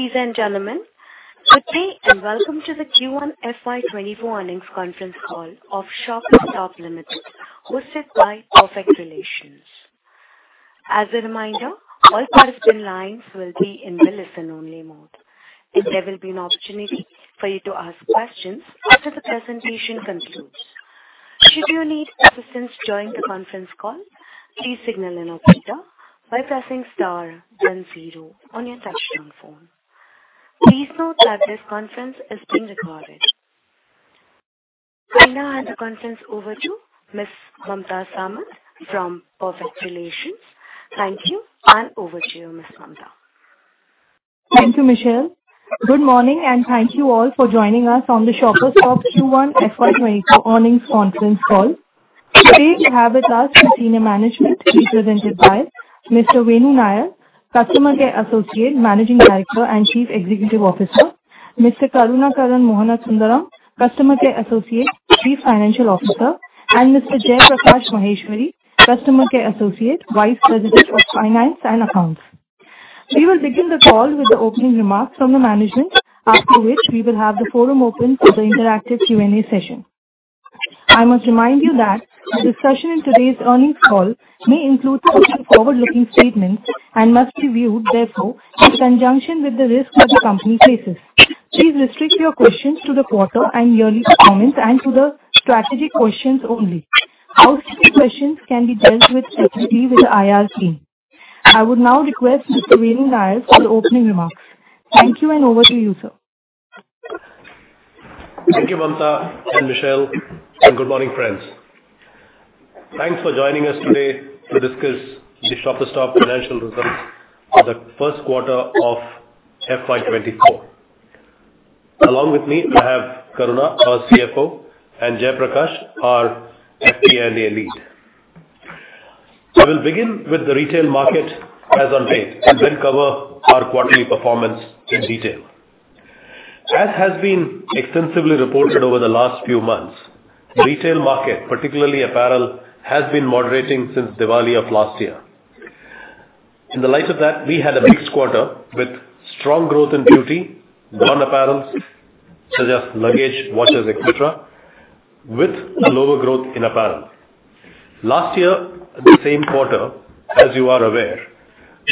Ladies and gentlemen, good day. Welcome to the Q1 FY '2024 earnings conference call of Shoppers Stop Limited, hosted by Perfect Relations. As a reminder, all participant lines will be in the listen-only mode. There will be an opportunity for you to ask questions after the presentation concludes. Should you need assistance during the conference call, please signal an operator by pressing star one zero on your touchtone phone. Please note that this conference is being recorded. I now hand the conference over to Ms. Mamta Samat from Perfect Relations. Thank you. Over to you, Ms. Mamta. Thank you, Michelle. Good morning, thank you all for joining us on the Shoppers Stop Q1 FY 2024 earnings conference call. Today, we have with us the senior management, represented by Mr. Venu Nair, Customer Care Associate, Managing Director, and Chief Executive Officer, Mr. Karunakaran Mohanasundaram, Customer Care Associate, Chief Financial Officer, and Mr. Jaiprakash Maheshwari, Customer Care Associate, Vice President of Finance and Accounts. We will begin the call with the opening remarks from the management, after which we will have the forum open for the interactive Q&A session. I must remind you that the discussion in today's earnings call may include certain forward-looking statements and must be viewed, therefore, in conjunction with the risk that the company faces. Please restrict your questions to the quarter and yearly performance and to the strategic questions only. Outstanding questions can be dealt with directly with the IR team. I would now request Mr. Venu Nair for the opening remarks. Thank you, and over to you, sir. Thank you, Mamta and Michelle. Good morning, friends. Thanks for joining us today to discuss the Shoppers Stop financial results for the first quarter of FY '2024. Along with me, I have Karuna, our CFO, and Jaiprakash, our FD and A lead. I will begin with the retail market as on date. Then cover our quarterly performance in detail. As has been extensively reported over the last few months, the retail market, particularly apparel, has been moderating since Diwali of last year. In the light of that, we had a mixed quarter with strong growth in beauty, non-apparels, such as luggage, watches, et cetera, with a lower growth in apparel. Last year, the same quarter, as you are aware,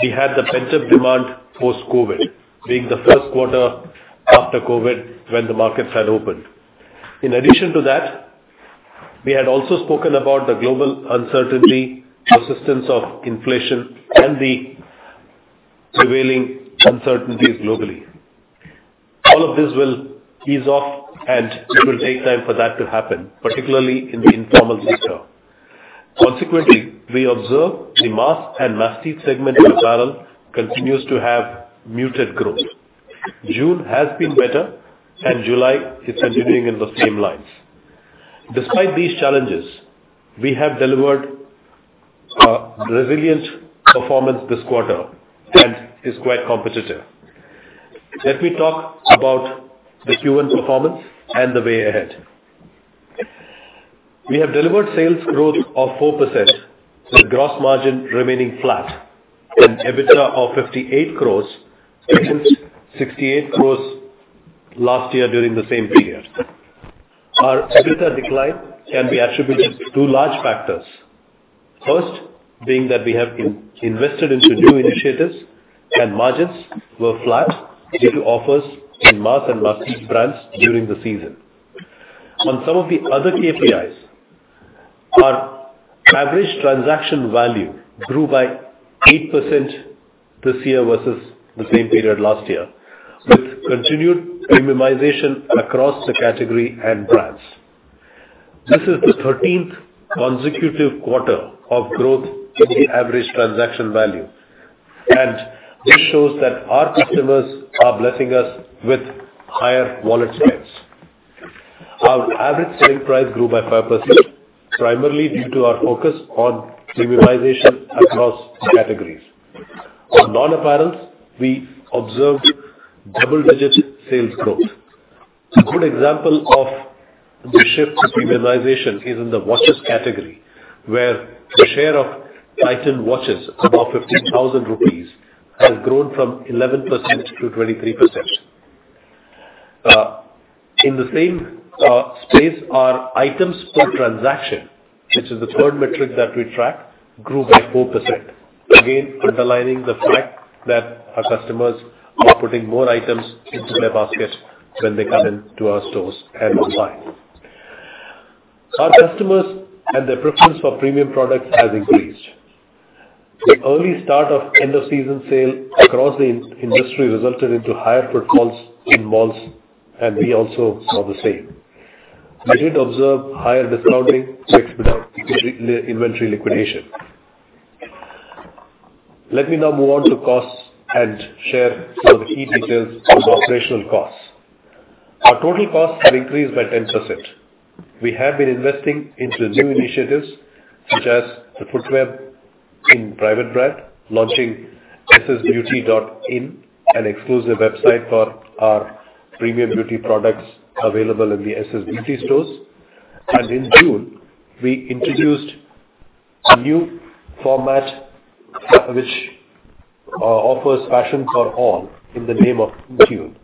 we had the pent-up demand post-COVID, being the first quarter after COVID when the markets had opened. In addition to that, we had also spoken about the global uncertainty, persistence of inflation, and the prevailing uncertainties globally. All of this will ease off, and it will take time for that to happen, particularly in the informal sector. Consequently, we observe the mass and mass cheap segment in apparel continues to have muted growth. June has been better, and July is continuing in the same lines. Despite these challenges, we have delivered a resilient performance this quarter and is quite competitive. Let me talk about the Q1 performance and the way ahead. We have delivered sales growth of 4%, with gross margin remaining flat and EBITDA of 58 crores, against 68 crores last year during the same period. Our EBITDA decline can be attributed to two large factors. First, being that we have in-invested into new initiatives, and margins were flat due to offers in mass and mass cheap brands during the season. On some of the other KPIs, our average transaction value grew by 8% this year versus the same period last year, with continued premiumization across the category and brands. This is the 13th consecutive quarter of growth in the average transaction value, and this shows that our customers are blessing us with higher wallet spends. Our average selling price grew by 5%, primarily due to our focus on premiumization across categories. On non-apparel, we observed double-digit sales growth. A good example of the shift to premiumization is in the watches category, where the share of Titan watches above 15,000 rupees has grown from 11%-23%. In the same space, our items per transaction, which is the third metric that we track, grew by 4%, again, underlining the fact that our customers are putting more items into their basket when they come into our stores and online. Our customers and their preference for premium products has increased. The early start of End of Season Sale across the industry resulted into higher footfalls in malls, we also saw the same. We did observe higher discounting without inventory liquidation. Let me now move on to costs and share some of the key details on operational costs. Our total costs have increased by 10%. We have been investing into new initiatives, such as the footwear in private brand, launching ssbeauty.in, an exclusive website for our premium beauty products available in the SS Beauty stores, and in June, we introduced. a new format, which offers fashion for all in the name of InTune,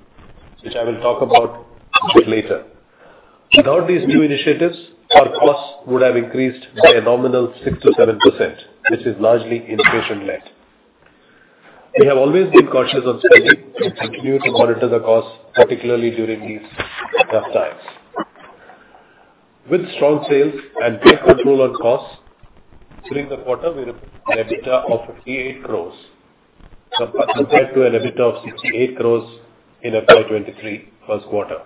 which I will talk about a bit later. Without these new initiatives, our costs would have increased by a nominal 6%-7%, which is largely inflation-led. We have always been cautious on spending and continue to monitor the costs, particularly during these tough times. With strong sales and great control on costs, during the quarter, we reported an EBITDA of 88 crores, compared to an EBITDA of 68 crores in April '2023 first quarter.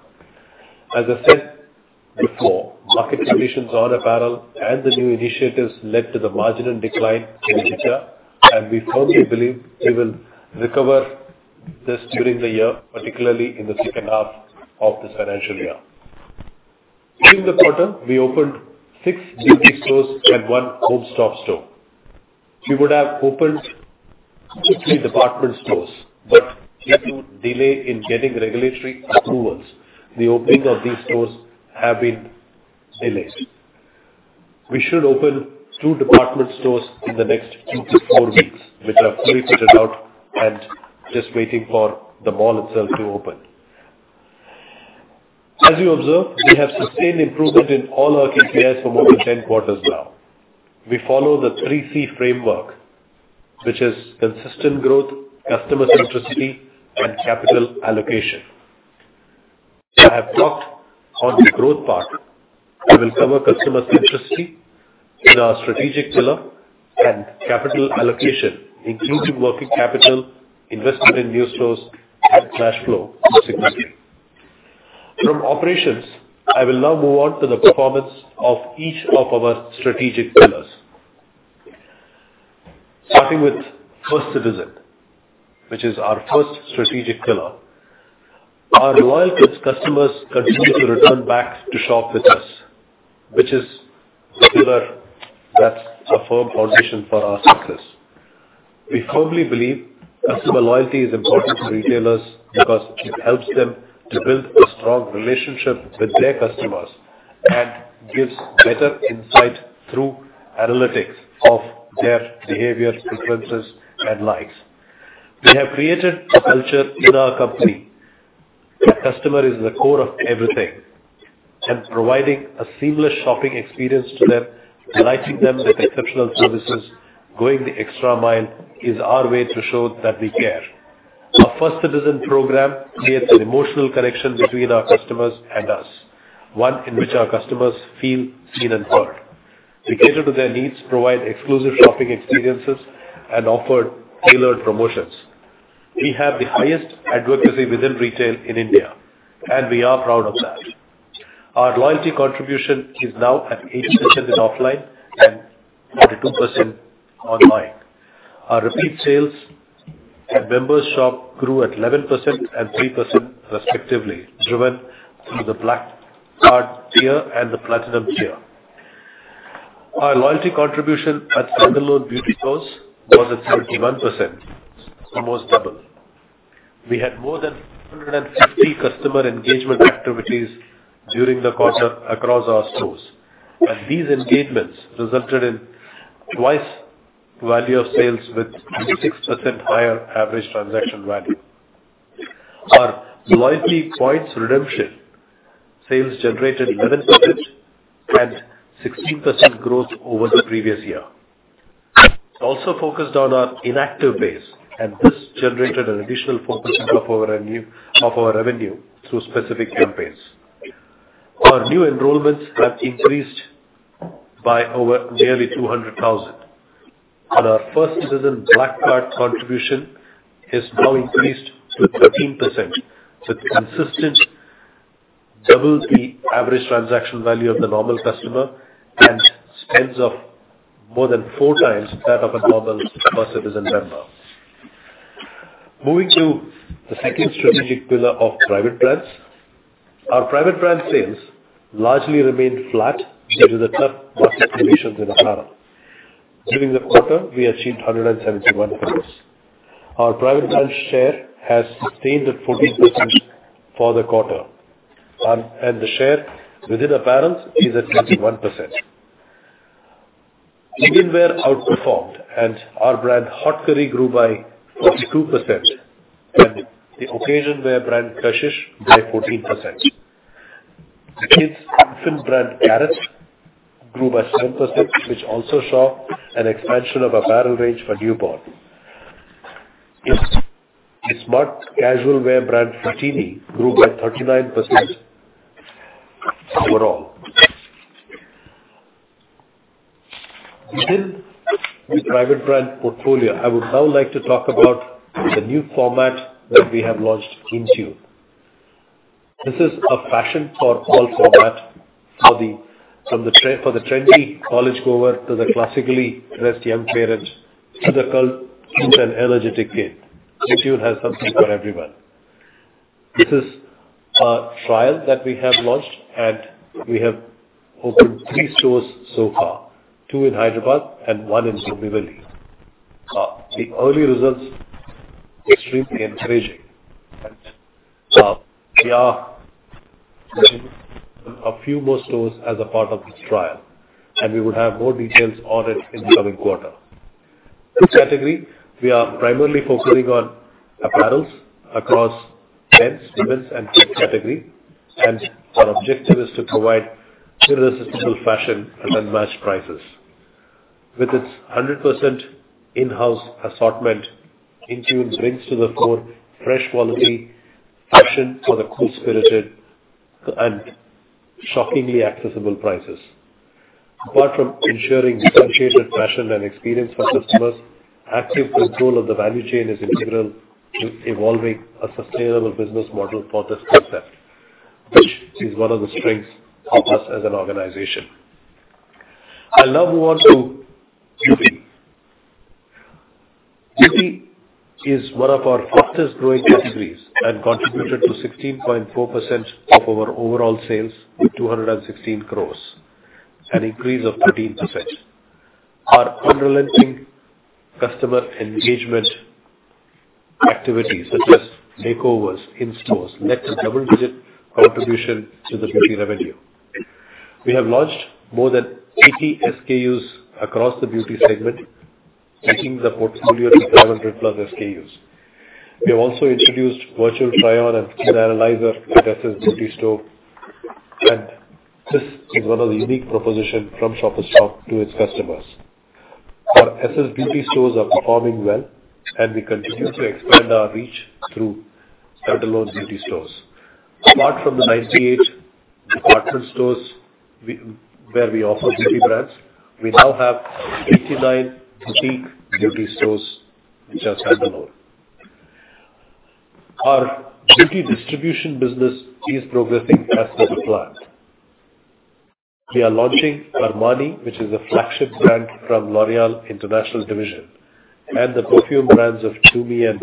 As I said before, market conditions on apparel and the new initiatives led to the marginal decline in EBITDA, and we firmly believe we will recover this during the year, particularly in the second half of this financial year. During the quarter, we opened six TT stores and one HomeStop store. We would have opened three department stores. Due to delay in getting regulatory approvals, the opening of these stores have been delayed. We should open two department stores in the next two to four weeks, which are fully fitted out and just waiting for the mall itself to open. As you observe, we have sustained improvement in all our KPIs for more than 10 quarters now. We follow the Three C framework, which is consistent growth, customer centricity, and capital allocation. I have talked on the growth part. I will cover customer centricity in our strategic pillar and capital allocation, including working capital, investment in new stores, and cash flow in security. From operations, I will now move on to the performance of each of our strategic pillars. Starting with First Citizen, which is our first strategic pillar. Our loyal customers continue to return back to shop with us, which is a pillar that's a firm foundation for our success. We firmly believe customer loyalty is important to retailers because it helps them to build a strong relationship with their customers and gives better insight through analytics of their behaviors, preferences, and likes. We have created a culture in our company, where customer is the core of everything, and providing a seamless shopping experience to them, delighting them with exceptional services, going the extra mile, is our way to show that we care. Our First Citizen program creates an emotional connection between our customers and us, one in which our customers feel, seen, and heard. We cater to their needs, provide exclusive shopping experiences, and offer tailored promotions. We have the highest advocacy within retail in India, and we are proud of that. Our loyalty contribution is now at 80% in offline and 22% online. Our repeat sales and members shop grew at 11% and 3% respectively, driven through the Black Card tier and the Platinum tier. Our loyalty contribution at standalone beauty stores was at 31%, almost double. We had more than 150 customer engagement activities during the quarter across our stores. These engagements resulted in twice value of sales with 6% higher average transaction value. Our loyalty points redemption, sales generated 11% and 16% growth over the previous year. Also focused on our inactive base. This generated an additional 4% of our revenue through specific campaigns. Our new enrollments have increased by over nearly 200,000. Our First Citizen Black Card contribution has now increased to 13%. The consistent doubles the average transaction value of the normal customer and spends of more than four times that of a normal First Citizen member. Moving to the second strategic pillar of private brands. Our private brand sales largely remained flat due to the tough market conditions in apparel. During the quarter, we achieved 171 crores. Our private brand share has sustained at 14% for the quarter, and the share within apparels is at 21%. Indian wear outperformed, and our brand, Haute Curry, grew by 42%, and the occasion wear brand, Kashish, by 14%. The kids infant brand, Carrot, grew by 10%, which also saw an expansion of apparel range for newborn. The smart casual wear brand, Fratini, grew by 39% overall. Within the private brand portfolio, I would now like to talk about the new format that we have launched, InTune. This is a fashion for all format for the trendy college goer, to the classically dressed young parent, to the cult and energetic kid. InTune has something for everyone. This is a trial that we have launched, and we have opened three stores so far, two in Hyderabad and one in Somajiguda. The early results extremely encouraging. We are a few more stores as a part of this trial, and we would have more details on it in the coming quarter. This category, we are primarily focusing on apparels across men's, women's, and kids category, and our objective is to provide irresistible fashion and unmatched prices. With its 100% in-house assortment, InTune brings to the fore fresh quality, fashion for the cool-spirited, and shockingly accessible prices. Ensuring differentiated fashion and experience for customers, active control of the value chain is integral to evolving a sustainable business model for this concept, which is one of the strengths of us as an organization. I now move on to beauty. Beauty is one of our fastest growing categories and contributed to 16.4% of our overall sales with 216 crores, an increase of 13%. Our unrelenting customer engagement activities, such as takeovers in stores, led to double-digit contribution to the beauty revenue. We have launched more than 80 SKUs across the beauty segment, taking the portfolio to 500+ SKUs. We have also introduced virtual try-on and skin analyzer at SS Beauty store, and this is one of the unique proposition from Shoppers Stop to its customers. Our SS Beauty stores are performing well, and we continue to expand our reach through standalone beauty stores. Apart from the 98 department stores we, where we offer beauty brands, we now have 89 boutique beauty stores, which are standalone. Our beauty distribution business is progressing as per plan. We are launching Armani, which is a flagship brand from L'Oréal International Distribution, and the perfume brands of Tumi and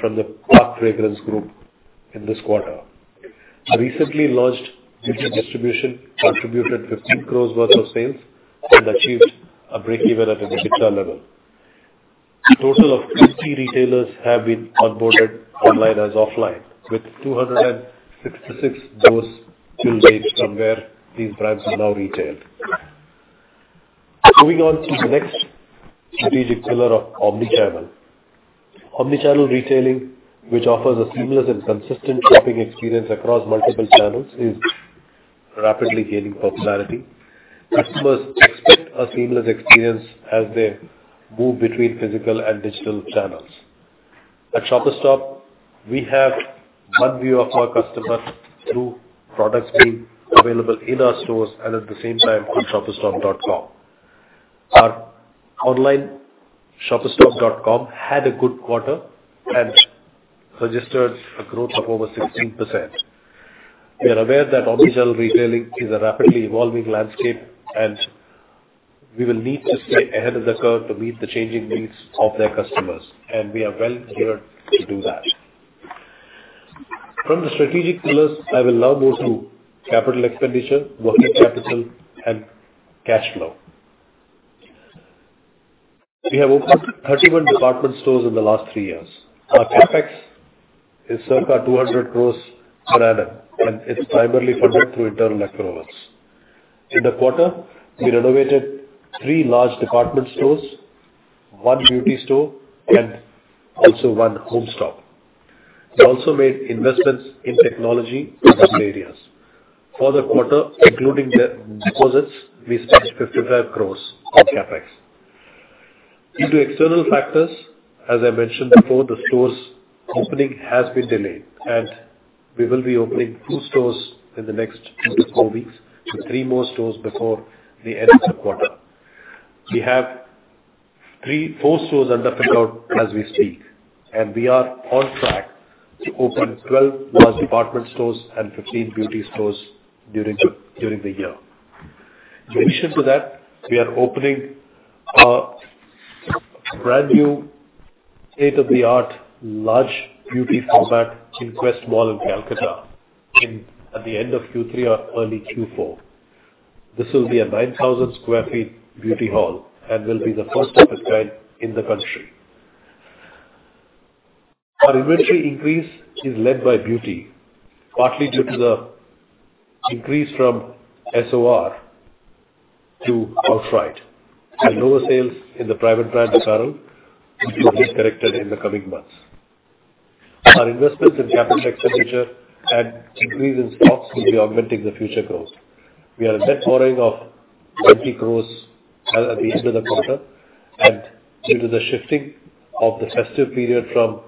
from the Park Fragrance Group in this quarter. Our recently launched beauty distribution contributed 15 crores worth of sales and achieved a breakeven at an EBITDA level. A total of 50 retailers have been onboarded online as offline, with 266 stores till date from where these brands are now retailed. Moving on to the next strategic pillar of omnichannel. Omnichannel retailing, which offers a seamless and consistent shopping experience across multiple channels, is rapidly gaining popularity. Customers expect a seamless experience as they move between physical and digital channels. At Shoppers Stop, we have one view of our customer through products being available in our stores and at the same time on ShoppersStop.com. Our online ShoppersStop.com had a good quarter and registered a growth of over 16%. We are aware that omnichannel retailing is a rapidly evolving landscape, and we will need to stay ahead of the curve to meet the changing needs of their customers. We are well geared to do that. From the strategic pillars, I will now move to capital expenditure, working capital, and cash flow. We have opened 31 department stores in the last three years. Our CapEx is circa 200 crores per annum. It's primarily funded through internal accruals. In the quarter, we renovated three large department stores, one beauty store, and also one HomeStop. We also made investments in technology in these areas. For the quarter, including the deposits, we spent INR 55 crores on CapEx. Due to external factors, as I mentioned before, the stores opening has been delayed. We will be opening two stores in the next four to five weeks, with three more stores before the end of the quarter. We have four stores under fit-out as we speak. We are on track to open 12 large department stores and 15 beauty stores during the year. In addition to that, we are opening a brand new state-of-the-art large beauty format in Quest Mall in Kolkata at the end of Q3 or early Q4. This will be a 9,000 sq ft beauty hall and will be the first of its kind in the country. Our inventory increase is led by beauty, partly due to the increase from SOR to outright and lower sales in the private brand apparel, which will be corrected in the coming months. Our investments in capital expenditure and increase in stocks will be augmenting the future growth. We are a net borrowing of 20 crores at the end of the quarter. Due to the shifting of the festive period from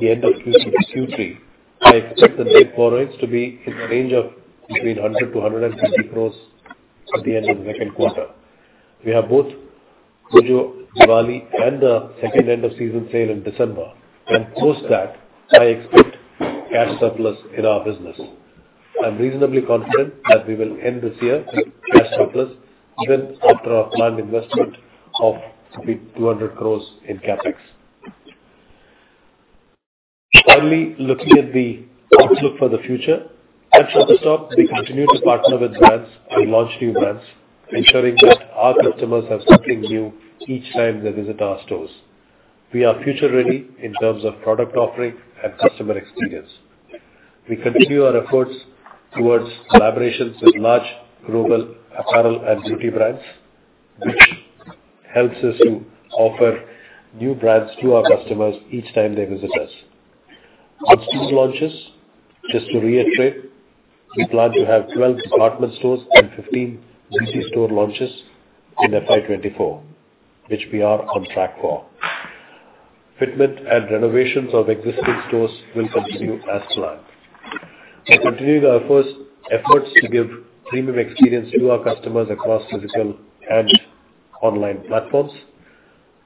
the end of Q2 to Q3, I expect the net borrowings to be in the range of between 100 crores-150 crores at the end of the second quarter. We have both Diwali and the second end of season sale in December. Post that, I expect cash surplus in our business. I'm reasonably confident that we will end this year with cash surplus, even after our planned investment of 200 crores in CapEx. Finally, looking at the outlook for the future. to stop, we continue to partner with brands and launch new brands, ensuring that our customers have something new each time they visit our stores. We are future ready in terms of product offering and customer experience. We continue our efforts towards collaborations with large global apparel and beauty brands, which helps us to offer new brands to our customers each time they visit us. On store launches, just to reiterate, we plan to have 12 department stores and 15 CC store launches in FY 2024, which we are on track for. Fitment and renovations of existing stores will continue as planned. We continue our first efforts to give premium experience to our customers across digital and online platforms.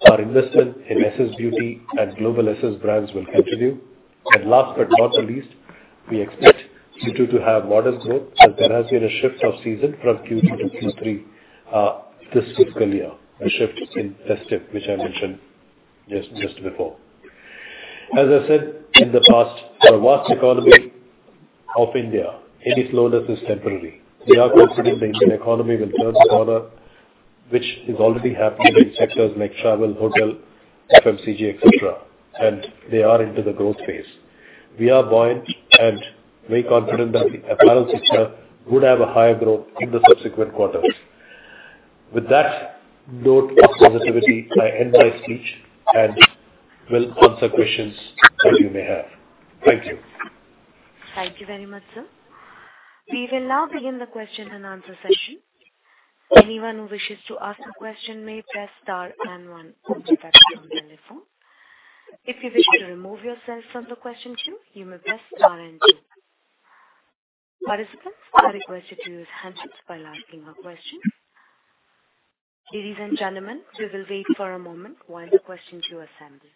Our investment in SS Beauty and global SS brands will continue. Last but not the least, we expect Q2 to have modest growth, as there has been a shift of season from Q2 to Q3 this fiscal year, a shift in festive, which I mentioned just before. As I said in the past, the vast economy of India, any slowness is temporary. We are confident the Indian economy will turn the corner, which is already happening in sectors like travel, hotel, FMCG, et cetera, and they are into the growth phase. We are buoyant and very confident that the apparel sector would have a higher growth in the subsequent quarters. With that note of positivity, I end my speech and will answer questions that you may have. Thank you. Thank you very much, sir. We will now begin the question and answer session. Anyone who wishes to ask a question may press star and one on your telephone. If you wish to remove yourself from the question queue, you may press star and two. Participants are requested to use handsets while asking a question. Ladies and gentlemen, we will wait for a moment while the question queue assembles.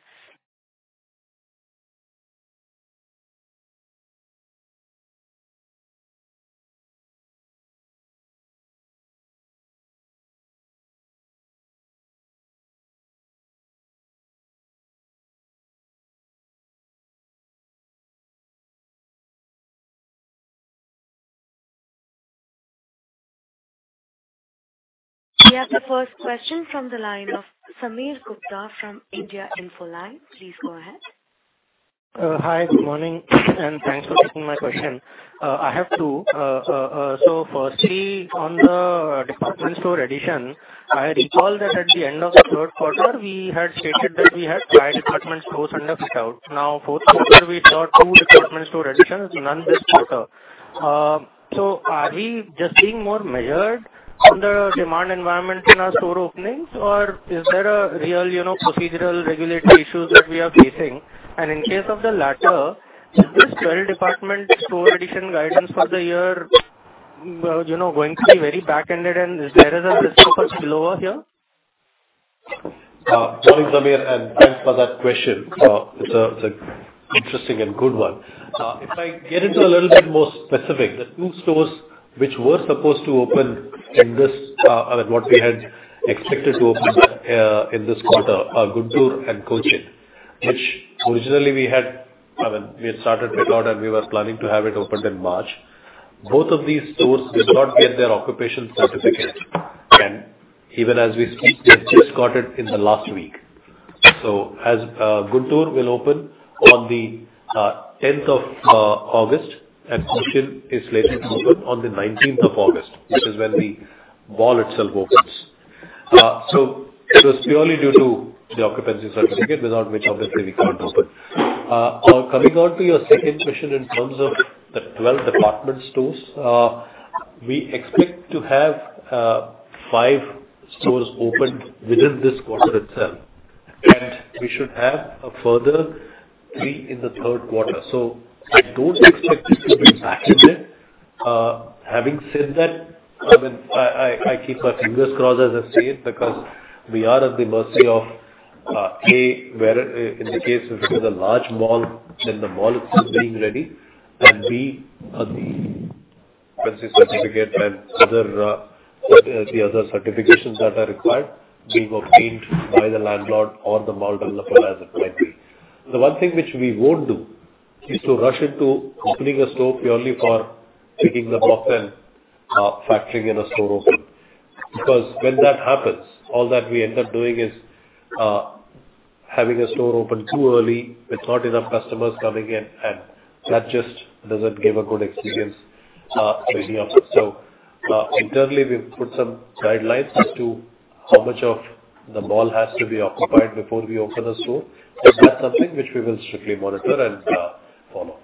We have the first question from the line of Sameer Gupta from India Infoline. Please go ahead. Hi, good morning, and thanks for taking my question. I have two. Firstly, on the department store addition, I recall that at the end of the third quarter, we had stated that we had five department stores under fit out. Fourth quarter, we saw two department store additions, none this quarter. Are we just being more measured on the demand environment in our store openings, or is there a real, you know, procedural regulatory issues that we are facing? In case of the latter, is this 12 department store addition guidance for the year, you know, going to be very back-ended, and is there a risk of a slow over here? Good morning, Sameer, and thanks for that question. It's an interesting and good one. If I get into a little bit more specific, the two stores which were supposed to open in this, and what we had expected to open in this quarter are Guntur and Cochin, which originally we had, I mean, we had started fit out and we were planning to have it opened in March. Both of these stores did not get their occupation certificate, and even as we speak, they just got it in the last week. As Guntur will open on the tenth of August and Cochin is slated to open on the nineteenth of August, which is when the mall itself opens. It was purely due to the occupancy certificate, without which obviously we can't open. Coming on to your second question, in terms of the 12 department stores, we expect to have five stores opened within this quarter itself, and we should have a further three in the third quarter. I don't expect it to be back-ended. Having said that, I mean, I keep our fingers crossed, as I say, because we are at the mercy of A, where, in the case of a large mall, then the mall itself being ready, B, the occupancy certificate and other the other certifications that are required being obtained by the landlord or the mall developer, as it might be. The one thing which we won't do is to rush into opening a store purely for ticking the box and factoring in a store open. When that happens, all that we end up doing is, having a store open too early, with not enough customers coming in, and that just doesn't give a good experience to any of us. Internally, we've put some guidelines as to how much of the mall has to be occupied before we open the store. That's something which we will strictly monitor and follow.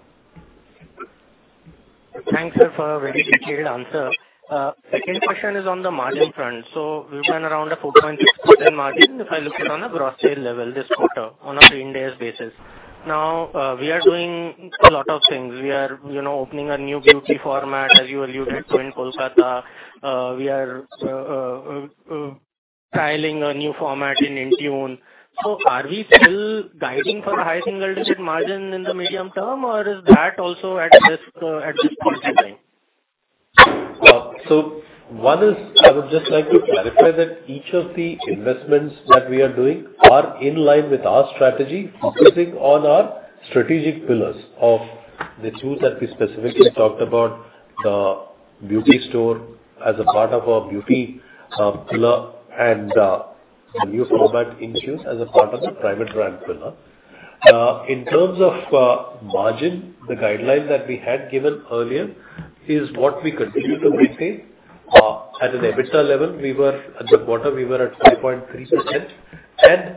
Thanks, sir, for a very detailed answer. Second question is on the margin front. We've been around a 4.6% margin if I look it on a gross sale level this quarter, on a green days basis. We are doing a lot of things. We are, you know, opening a new beauty format, as you alluded to in Kolkata. We are, styling a new format in InTune. Are we still guiding for the high single-digit margin in the medium term, or is that also at risk, at this point in time? One is, I would just like to clarify that each of the investments that we are doing are in line with our strategy, focusing on our strategic pillars of the two that we specifically talked about, the beauty store as a part of our beauty pillar, and the new format InTune as a part of the private brand pillar. In terms of margin, the guideline that we had given earlier is what we continue to maintain. At an EBITDA level, we were at the bottom, we were at 5.3%, and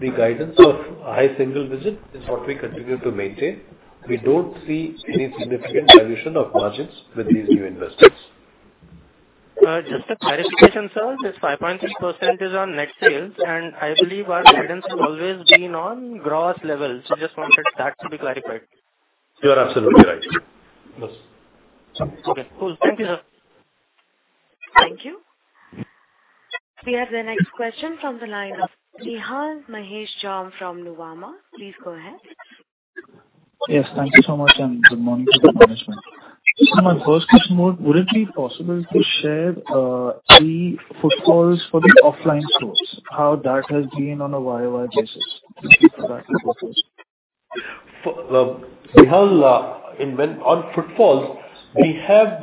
the guidance of high single digit is what we continue to maintain. We don't see any significant dilution of margins with these new investments. Just a clarification, sir. This 5.3% is on net sales, and I believe our guidance has always been on gross levels. Just wanted that to be clarified. You are absolutely right. Yes. Okay, cool. Thank you, sir. Thank you. We have the next question from the line of Nihal Mahesh Jham from Nuvama. Please go ahead. Yes, thank you so much, and good morning to the management. My first question was, would it be possible to share the footfalls for the offline stores, how that has been on a YoY basis for that purpose? For Nihal, On footfalls, we have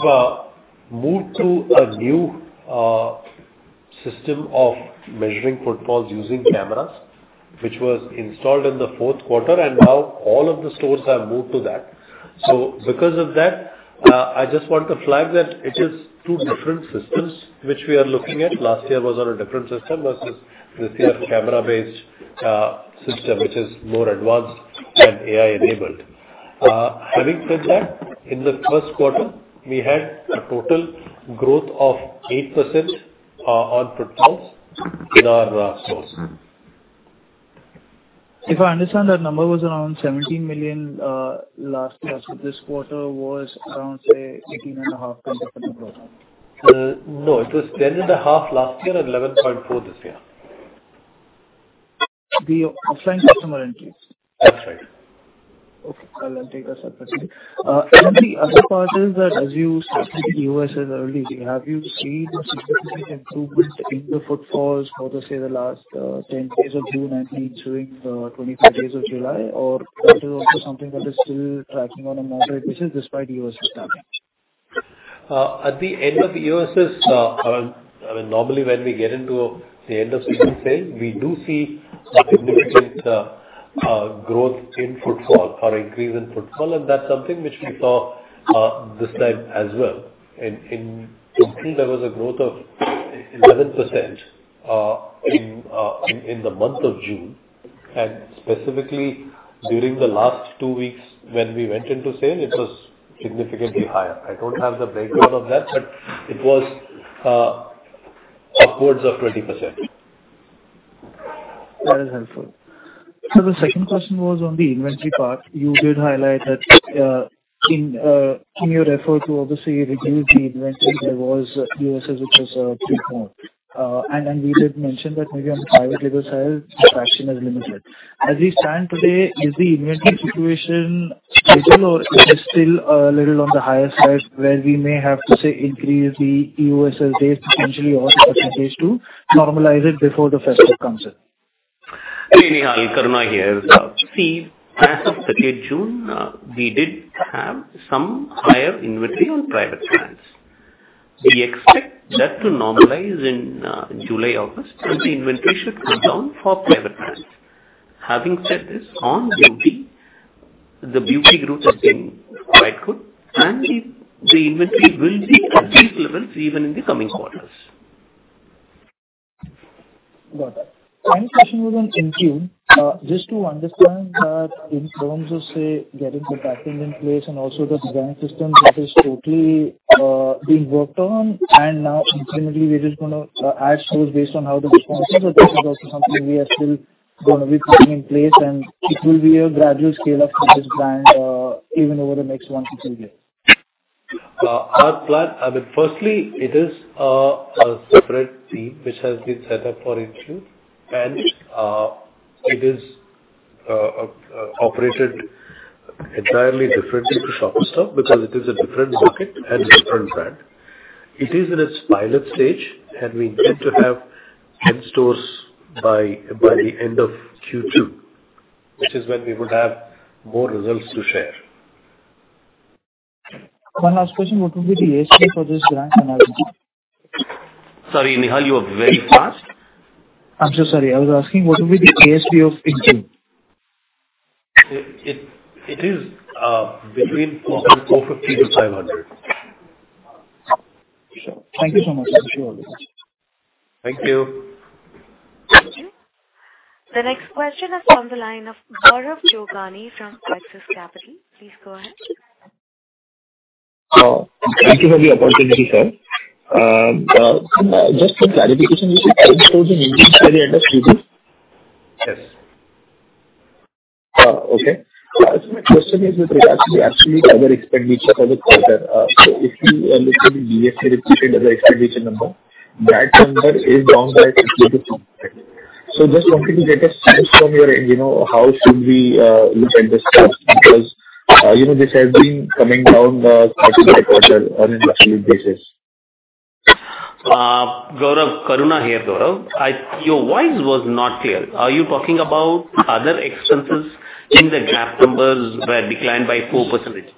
moved to a new system of measuring footfalls using cameras, which was installed in the fourth quarter, and now all of the stores have moved to that. Because of that, I just want to flag that it is two different systems which we are looking at. Last year was on a different system versus this year's camera-based system, which is more advanced and AI-enabled. Having said that, in the first quarter, we had a total growth of 8% on footfalls in our stores. If I understand, that number was around 17 million last year. This quarter was around, say, 18.5%, 20% growth. No, it was 10.5% last year and 11.4% this year. The offline customer entries? That's right. Okay, I'll take that separately. The other part is that as you started the EOSS early, have you seen a significant improvement in the footfalls for, say, the last, 10 days of June 19 during the 25 days of July? That is also something that is still tracking on a moderate basis despite EOSS starting? At the end of the EOSS, I mean, normally, when we get into the end of season sale, we do see a significant growth in footfall or increase in footfall. That's something which we saw this time as well. In June, there was a growth of 11% in the month of June, and specifically, during the last two weeks when we went into sale, it was significantly higher. I don't have the breakdown of that, but it was upwards of 20%. That is helpful. The second question was on the inventory part. You did highlight that in your effort to obviously reduce the inventory, there was EOSS, which was pretty poor. We did mention that maybe on the private label side, the traction is limited. As we stand today, is the inventory situation stable, or it is still a little on the higher side, where we may have to, say, increase the EOSS days potentially or percentage to normalize it before the festive comes in? Hey, Nihal, Karuna here. See, as of 30th June, we did have some higher inventory on private brands. We expect that to normalize in July, August, and the inventory should come down for private brands. Having said this, on beauty, the beauty growth has been quite good, and the inventory will be at peak levels even in the coming quarters. Got it. My question was on Incus. Just to understand that in terms of, say, getting the backing in place and also the brand system, that is totally being worked on, and now incrementally, we're just gonna add stores based on how the response is, or this is also something we are still gonna be putting in place, and it will be a gradual scale up for this brand, even over the next one to two years. Our plan... I mean, firstly, it is a separate team which has been set up for Incus, and it is operated entirely differently to Shoppers Stop because it is a different bucket and different brand. It is in its pilot stage, and we aim to have 10 stores by the end of Q2, which is when we would have more results to share. One last question: What will be the ASP for this brand on average? Sorry, Nihal, you were very fast. I'm so sorry. I was asking, what will be the ASP of InTune? It is between INR 400, 450 to 500. Thank you so much. Appreciate it. Thank you. Thank you. The next question is on the line of Gaurav Jogani from Axis Capital. Please go ahead. Thank you for the opportunity, sir. Just for clarification, you said 10 stores in India by the end of Q2? Yes. Okay. My question is with regards to the actually capital expenditure for the quarter. If you look at the CapEx represented as an expenditure number, that number is down by 62%. Just wanted to get a sense from your end, how should we look at this gap? Because this has been coming down on an industrial basis. Gaurav, Karuna here, Gaurav. Your voice was not clear. Are you talking about other expenses in the GAAP numbers were declined by 4%?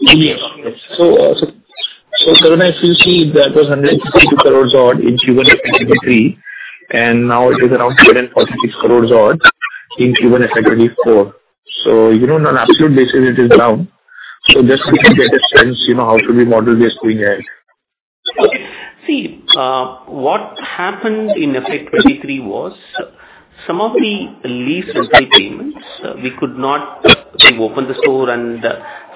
Yes. Karuna, if you see that was 162 crores odd in Q1 FY '2023, and now it is around 146 crores odd in Q1 FY '2024. You know, on an absolute basis, it is down. Just to get a sense, you know, how should we model this going ahead? See, what happened in effect 23 was some of the lease rental payments, we could not open the store and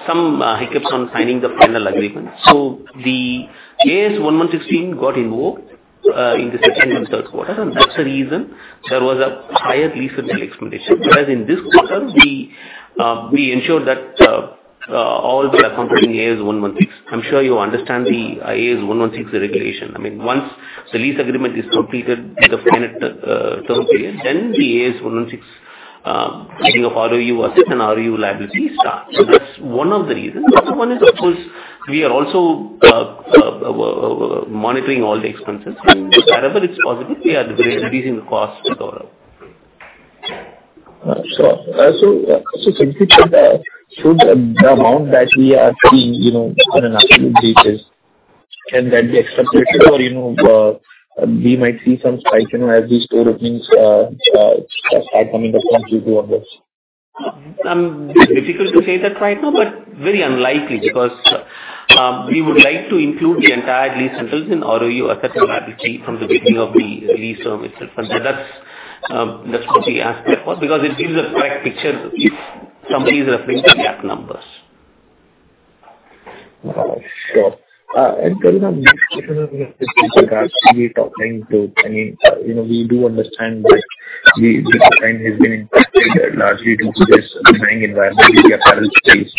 some hiccups on signing the final agreement. The Ind AS 116 got invoked in the second and third quarter, and that's the reason there was a higher lease rental expenditure. Whereas in this quarter, we ensured that all we are accomplishing Ind AS 116. I'm sure you understand the Ind AS 116 regulation. I mean, once the lease agreement is completed in the final term period, then the Ind AS 116 of ROU asset and ROU liability start. That's one of the reasons. The other one is, of course, we are also monitoring all the expenses. Wherever it's possible, we are reducing the costs as well. Should the amount that we are seeing, you know, on an absolute basis, can that get separated or, you know, we might see some spike, you know, as the store openings start coming in the front due to all this? It's difficult to say that right now, but very unlikely, because we would like to include the entire lease rentals in ROU asset liability from the beginning of the lease term itself. That's what we ask for, because it gives a correct picture if somebody is referring to the app numbers. Got it. Sure. Karuna, regarding we talking to any. You know, we do understand that we, this time has been impacted largely due to this buying environment in the apparel space.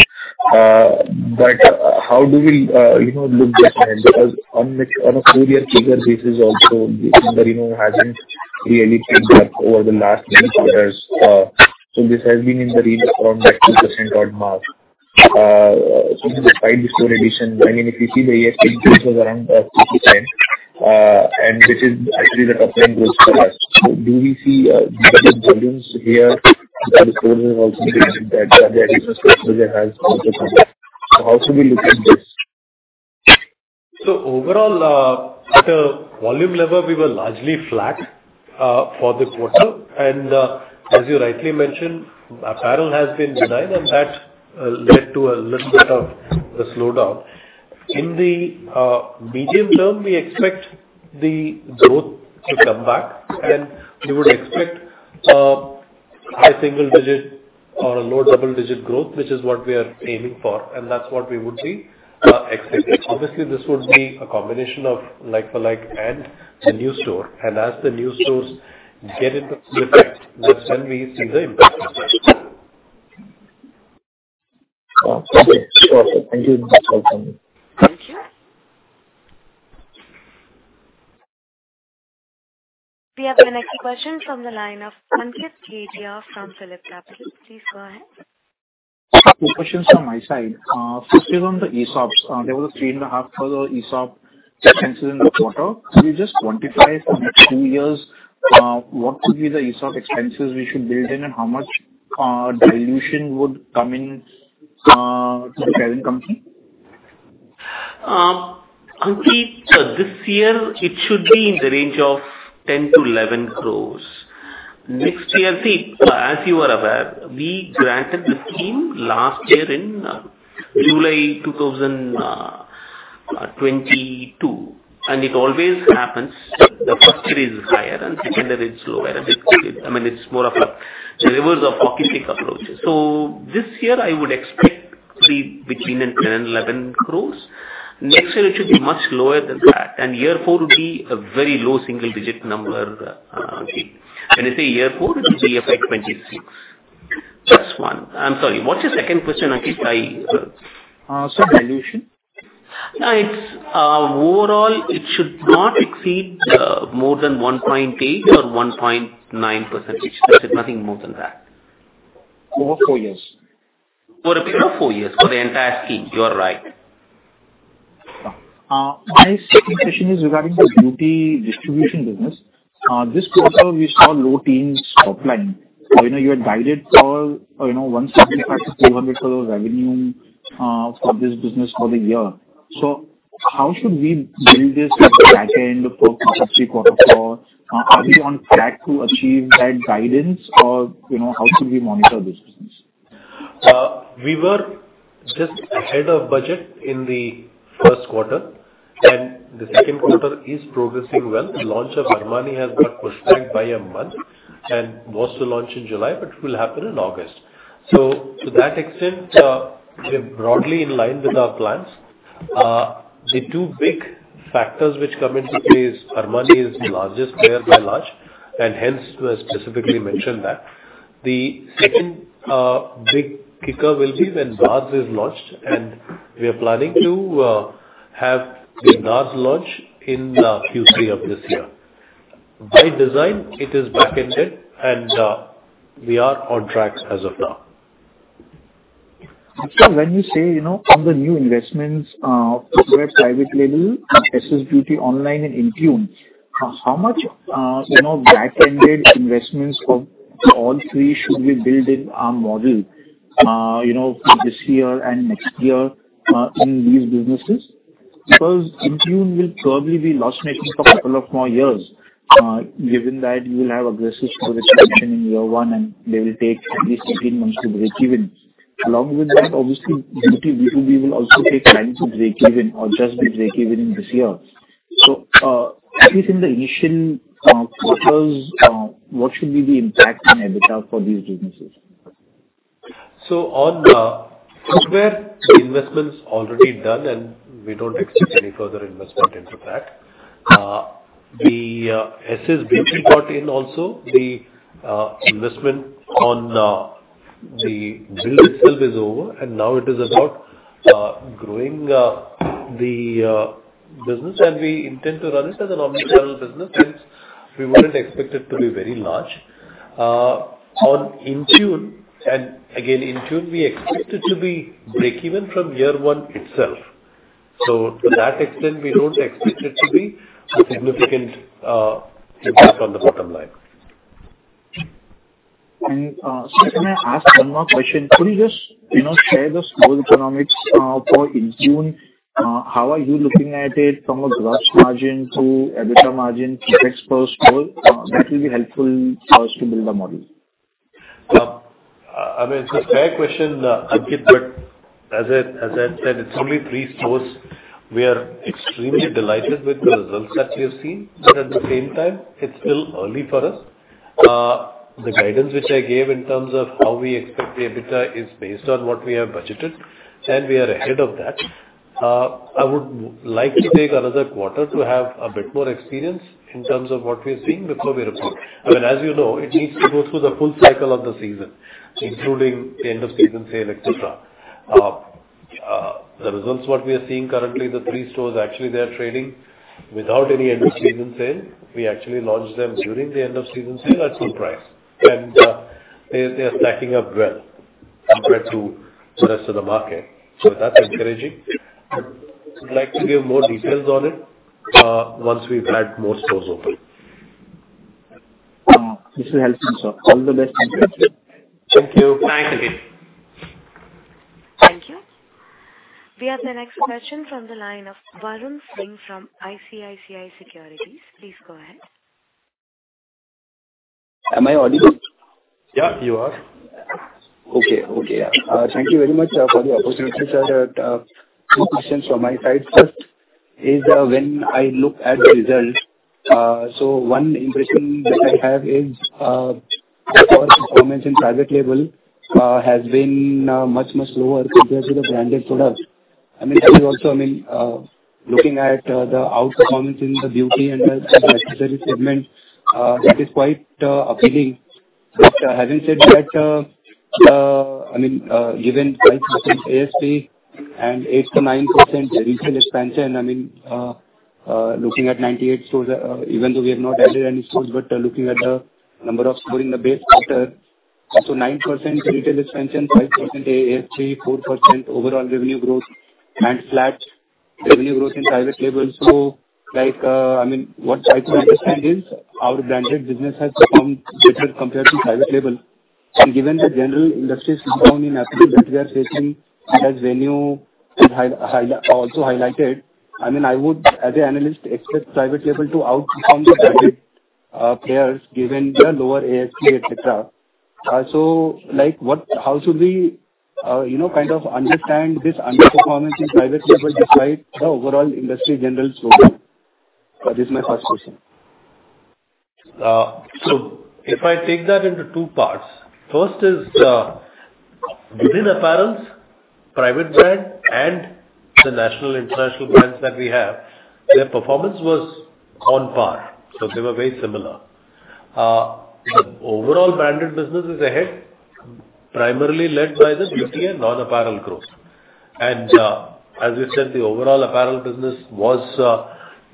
How do we, you know, look just ahead? Because on a full year figure basis also, you know, hasn't really picked up over the last many quarters. This has been in the range from that 2% odd mark despite the store addition. I mean, if you see the FY '2018, it was around 59%, which is actually the top line growth for us. Do we see developing volumes here, the stores have also mentioned that the additional store has also come in. How should we look at this? Overall, at a volume level, we were largely flat for the quarter. As you rightly mentioned, apparel has been benign, and that led to a little bit of a slowdown. In the medium term, we expect the growth to come back, and we would expect high single-digit or a low double-digit growth, which is what we are aiming for, and that's what we would see expected. Obviously, this would be a combination of like-for-like and the new store, and as the new stores get into effect, that's when we see the impact. Cool. Okay. Sure. Thank you very much. Thank you. We have the next question from the line of Ankit Kedia from PhillipCapital. Please go ahead. Two questions from my side. First is on the ESOPs. There were 3.5 crore ESOP expenses in the quarter. Can you just quantify for the next two years, what would be the ESOP expenses we should build in, and how much dilution would come in to the current company? Ankit, this year, it should be in the range of 10 crores-11 crores. Next year, see, as you are aware, we granted the scheme last year in July 2022, and it always happens. The first year is higher and second year is lower. I mean, it's more of a reverse of approaches. This year I would expect between 10 crores and 11 crores. Next year, it should be much lower than that, and year four would be a very low single-digit number, Ankit. When I say year 4, it will be effect 2026. Just one. I'm sorry, what's your second question, Ankit? Dilution. It's overall, it should not exceed more than 1.8% or 1.9%. Nothing more than that. Over four years? For a period of four years, for the entire scheme. You are right. My second question is regarding the beauty distribution business. This quarter, we saw low teens top line. You know, you had guided for, you know, 175 crore-300 crore revenue for this business for the year. How should we build this at the back end for the subsequent quarter four? Are we on track to achieve that guidance or, you know, how should we monitor this business? We were just ahead of budget in the first quarter. The second quarter is progressing well. The launch of Armani has got pushed back by a month and was to launch in July, will happen in August. To that extent, we're broadly in line with our plans. The two big factors which come into play is Armani is the largest player by large, and hence we specifically mentioned that. The second, big kicker will be when Bars is launched, and we are planning to have the Bars launch in Q3 of this year. By design, it is back-ended, and we are on track as of now. Sir, when you say, you know, on the new investments, software, private label, SS Beauty online and InTune, how much, you know, back-ended investments for all three should we build in our model, you know, for this year and next year, in these businesses? InTune will probably be loss-making for a couple of more years, given that you will have aggressive store expansion in year one, and they will take at least 18 months to break even. Along with that, obviously, beauty B2B will also take time to break even or just be break even in this year. At least in the initial quarters, what should be the impact on EBITDA for these businesses? On software, the investment's already done, and we don't expect any further investment into that. The SS Beauty part in also, the investment on the build itself is over, and now it is about growing the business, and we intend to run it as a omnichannel business, since we wouldn't expect it to be very large. On InTune, and again, InTune, we expect it to be break even from year one itself. To that extent, we don't expect it to be a significant impact on the bottom line. Sir, can I ask one more question? Could you just, you know, share the store economics for InTune? How are you looking at it from a gross margin to EBITDA margin, CapEx per store? That will be helpful for us to build a model. I mean, it's a fair question, Ankit, but as I said, it's only three stores. We are extremely delighted with the results that we have seen, but at the same time, it's still early for us. The guidance which I gave in terms of how we expect the EBITDA is based on what we have budgeted, and we are ahead of that. I would like to take another quarter to have a bit more experience in terms of what we are seeing before we report. I mean, as you know, it needs to go through the full cycle of the season, including the end of season sale, et cetera. The results what we are seeing currently, the three stores, actually, they are trading without any end of season sale. We actually launched them during the end of season sale at full price, and they are stacking up well compared to rest of the market. That's encouraging. I would like to give more details on it once we've had more stores open. This is helpful, sir. All the best. Thank you. Thanks again. Thank you. We have the next question from the line of Varun Singh from ICICI Securities. Please go ahead. Am I audible? Yeah, you are. Okay. Okay, yeah. Thank you very much for the opportunity, sir. Two questions from my side. First is, when I look at the results, one impression that I have is, performance in private label has been much, much lower compared to the branded products. I mean, also, I mean, looking at the outperformance in the beauty and the necessary segment, that is quite appealing. Having said that, I mean, given 12% ASP and 8%-9% retail expansion, I mean, looking at 98 stores, even though we have not added any stores, but looking at the number of store in the base better, 9% retail expansion, 5% ASP, 4% overall revenue growth and flat revenue growth in private label. I mean, what I try to understand is, our branded business has performed different compared to private label. Given the general industry slowdown in apparel that we are facing, as Venu had also highlighted, I mean, I would, as an analyst, expect private label to outperform the branded players, given their lower ASP, et cetera. How should we, you know, kind of understand this underperformance in private label despite the overall industry general slowdown? This is my first question. Uh, so if I take that into two parts, first is, uh, within apparels, private brand and the national, international brands that we have, their performance was on par, so they were very similar. Uh, the overall branded business is ahead, primarily led by the beauty and non-apparel growth. And, uh, as you said, the overall apparel business was,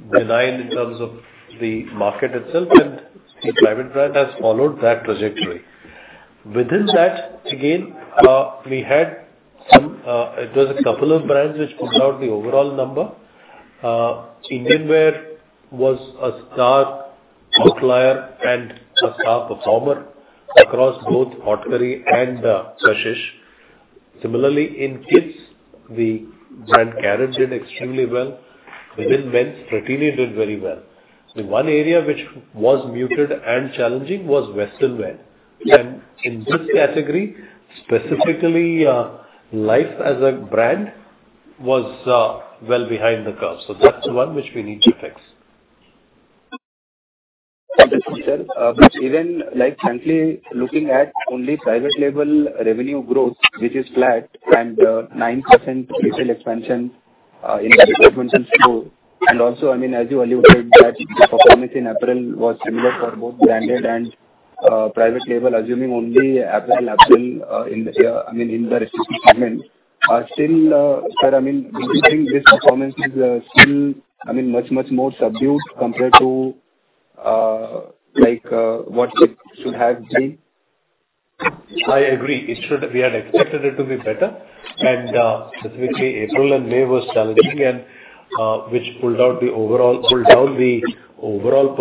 uh, denied in terms of the market itself, and the private brand has followed that trajectory. Within that, again, uh, we had some, uh, it was a couple of brands which pulled out the overall number. Uh, Indian Wear was a star outlier and a star performer across both Haute Curry and, uh, Kashish. Similarly, in kids, the brand Carrot did extremely well. Within men's In this category, specifically, Life as a brand was well behind the curve. That's one which we need to fix. Understood, sir. Even like frankly, looking at only private label revenue growth, which is flat and, 9% retail expansion in the departmental store. Also, I mean, as you alluded that the performance in April was similar for both branded and, private label, assuming only April, in the year, I mean, in the respective segment. Still, sir, I mean, do you think this performance is, still, I mean, much more subdued compared to, like, what it should have been? I agree. We had expected it to be better, specifically April and May was challenging, which pulled down the overall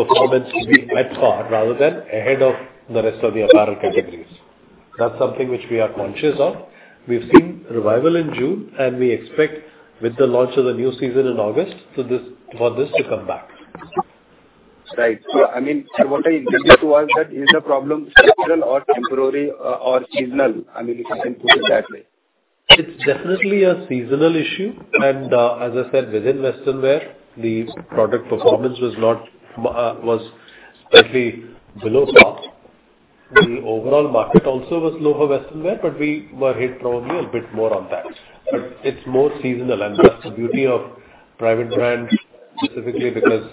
performance at par rather than ahead of the rest of the apparel categories. That's something which we are conscious of. We've seen revival in June, we expect with the launch of the new season in August, for this to come back. I mean, sir, what I intended to ask that, is the problem structural or temporary or seasonal? I mean, if I can put it that way. It's definitely a seasonal issue, and as I said, within western wear, the product performance was not slightly below par. The overall market also was low for western wear, but we were hit probably a bit more on that. It's more seasonal, and that's the beauty of private brands, specifically because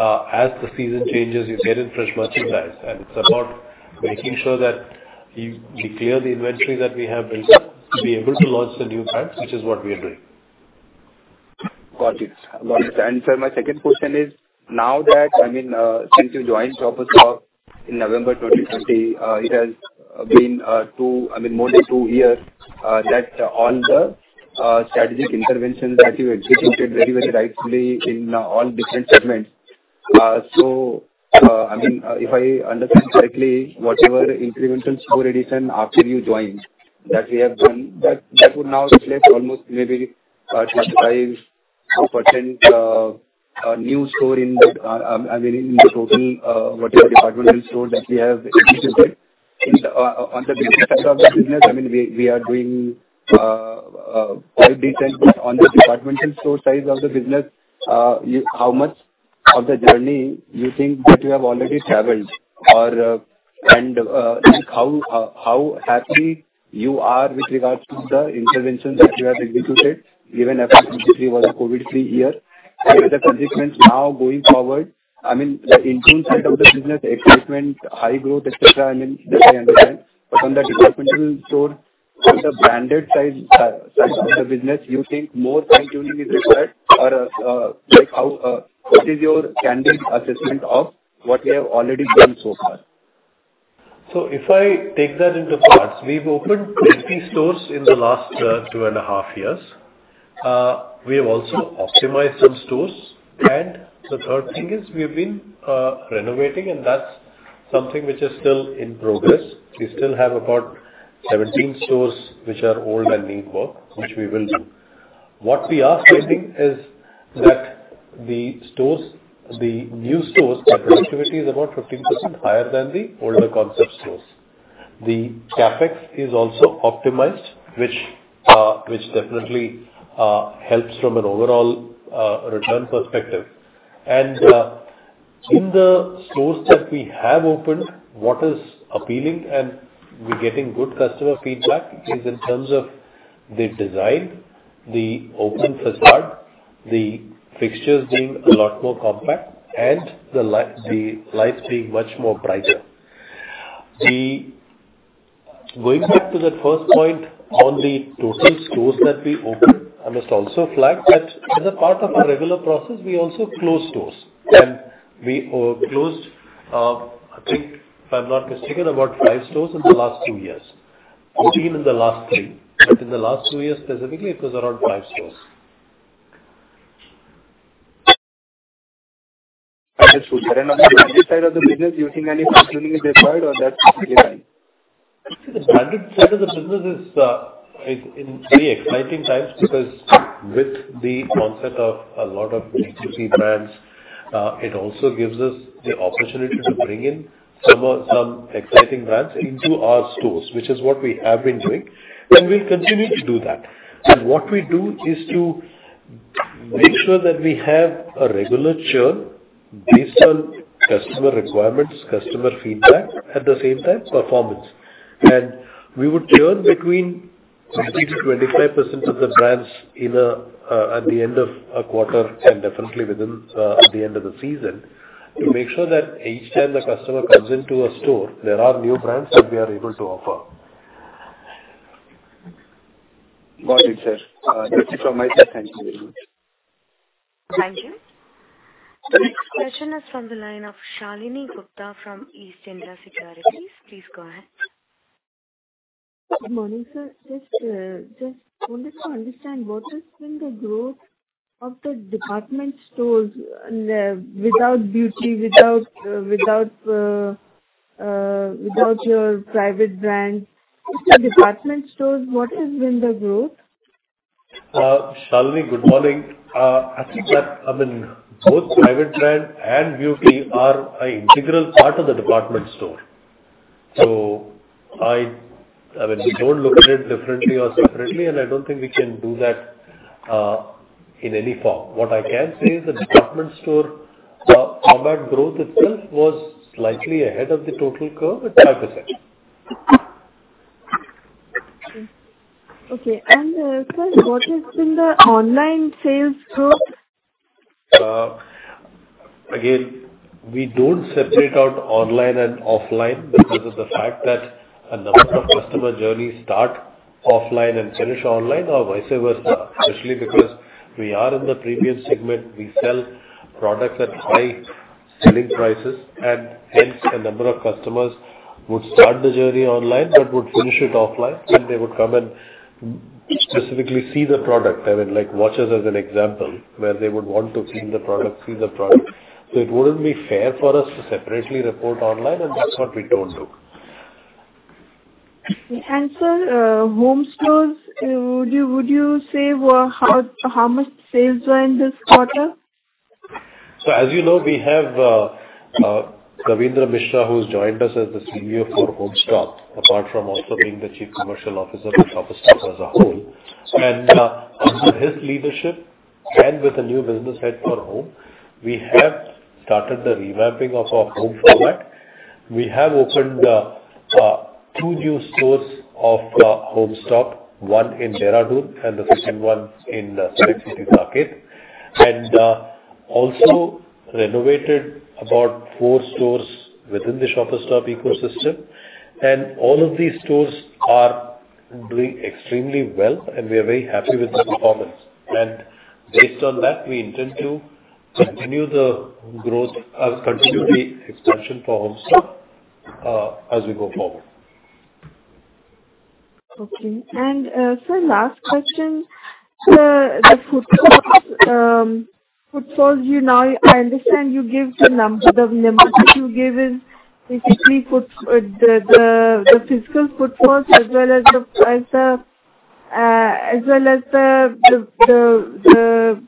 as the season changes, you get in fresh merchandise, and it's about making sure that you clear the inventory that we have built up to be able to launch the new brands, which is what we are doing. Got it. Got it. Sir, my second question is, now that, I mean, since you joined Shoppers Stop in November 2030, I mean, more than two years, that all the strategic interventions that you executed very, very rightfully in all different segments. I mean, if I understand correctly, whatever incremental store addition after you joined, that we have done, that would now reflect almost maybe 25% new store in the, I mean, in the total, whatever departmental store that we have integrated. On the side of the business, I mean, we are doing quite detailed on the departmental store side of the business. How much of the journey you think that you have already traveled? Like, how happy you are with regards to the interventions that you have executed, even after 2023 was a COVID free year? Are the commitments now going forward, I mean, the internal side of the business, excitement, high growth, et cetera, I mean, that I understand. On the departmental store, on the branded side of the business, you think more fine-tuning is required or, like, how, what is your candid assessment of what we have already done so far? If I take that into parts, we've opened 20 stores in the last 2.5 years. We have also optimized some stores, and the third thing is we've been renovating, and that's something which is still in progress. We still have about 17 stores which are old and need work, which we will do. What we are seeing is that the stores, the new stores, their productivity is about 15% higher than the older concept stores. The CapEx is also optimized, which definitely helps from an overall return perspective. In the stores that we have opened, what is appealing, and we're getting good customer feedback, is in terms of the design, the open facade, the fixtures being a lot more compact and the lights being much more brighter. Going back to that first point on the total stores that we opened, I must also flag that as a part of our regular process, we also close stores. We closed, I think, if I'm not mistaken, about five stores in the last two years. Maybe even in the last three, but in the last two years, specifically, it was around five stores. On the branded side of the business, do you think any fine-tuning is required or that's okay? The branded side of the business is in very exciting times, because with the concept of a lot of DTC brands, it also gives us the opportunity to bring in some exciting brands into our stores, which is what we have been doing, and we'll continue to do that. What we do is to make sure that we have a regular churn based on customer requirements, customer feedback, at the same time, performance. We would churn between 20%-25% of the brands in a at the end of a quarter and definitely within the end of the season, to make sure that each time a customer comes into a store, there are new brands that we are able to offer. Got it, sir. That's it from my side. Thank you very much. Thank you. The next question is from the line of Shalini Gupta from East India Securities. Please go ahead. Good morning, sir. Just wanted to understand, what has been the growth of the department stores, without beauty, without, without your private brand? Just the department stores, what has been the growth? Shalini, good morning. I think that, I mean, both private brand and beauty are an integral part of the department store. I mean, we don't look at it differently or separately, and I don't think we can do that in any form. What I can say is that department store format growth itself was slightly ahead of the total curve at 5%. Okay, sir, what has been the online sales growth? We don't separate out online and offline because of the fact that a number of customer journeys start offline and finish online or vice versa, especially because we are in the premium segment, we sell products at high selling prices. Hence, a number of customers would start the journey online, but would finish it offline. They would come and specifically see the product. I mean, like, watches as an example, where they would want to feel the product, see the product. It wouldn't be fair for us to separately report online. That's what we don't do. Sir, home stores, would you say, well, how much sales were in this quarter? As you know, we have Kavindra Mishra, who's joined us as the CEO for HomeStop, apart from also being the Chief Commercial Officer of Shoppers Stop as a whole. Under his leadership and with a new business head for home, we have started the revamping of our home product. We have opened two new stores of HomeStop, one in Dehradun and the second one in City Market, and also renovated about four stores within the Shoppers Stop ecosystem. All of these stores are doing extremely well, and we are very happy with the performance. Based on that, we intend to continue the expansion for HomeStop as we go forward. Okay. sir, last question. The footfalls, you know, I understand you give the numbers. You've given basically the physical footfalls, as well as the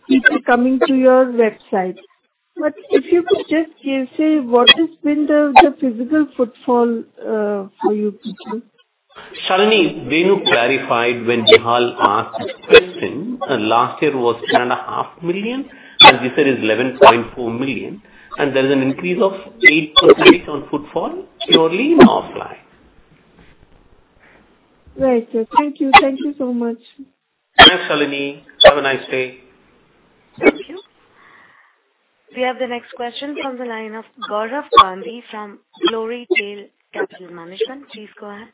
people coming to your website. If you could just give, say, what has been the physical footfall for you people? Shalini, Venu clarified when Nihal asked this question. Last year was 2.5 million, as he said, is 11.4 million, and there's an increase of 8% on footfall purely in offline. Right, sir. Thank you. Thank you so much. Thanks, Shalini. Have a nice day. Thank you. We have the next question from the line of Gaurav Gandhi from Glory Tail Capital Management. Please go ahead.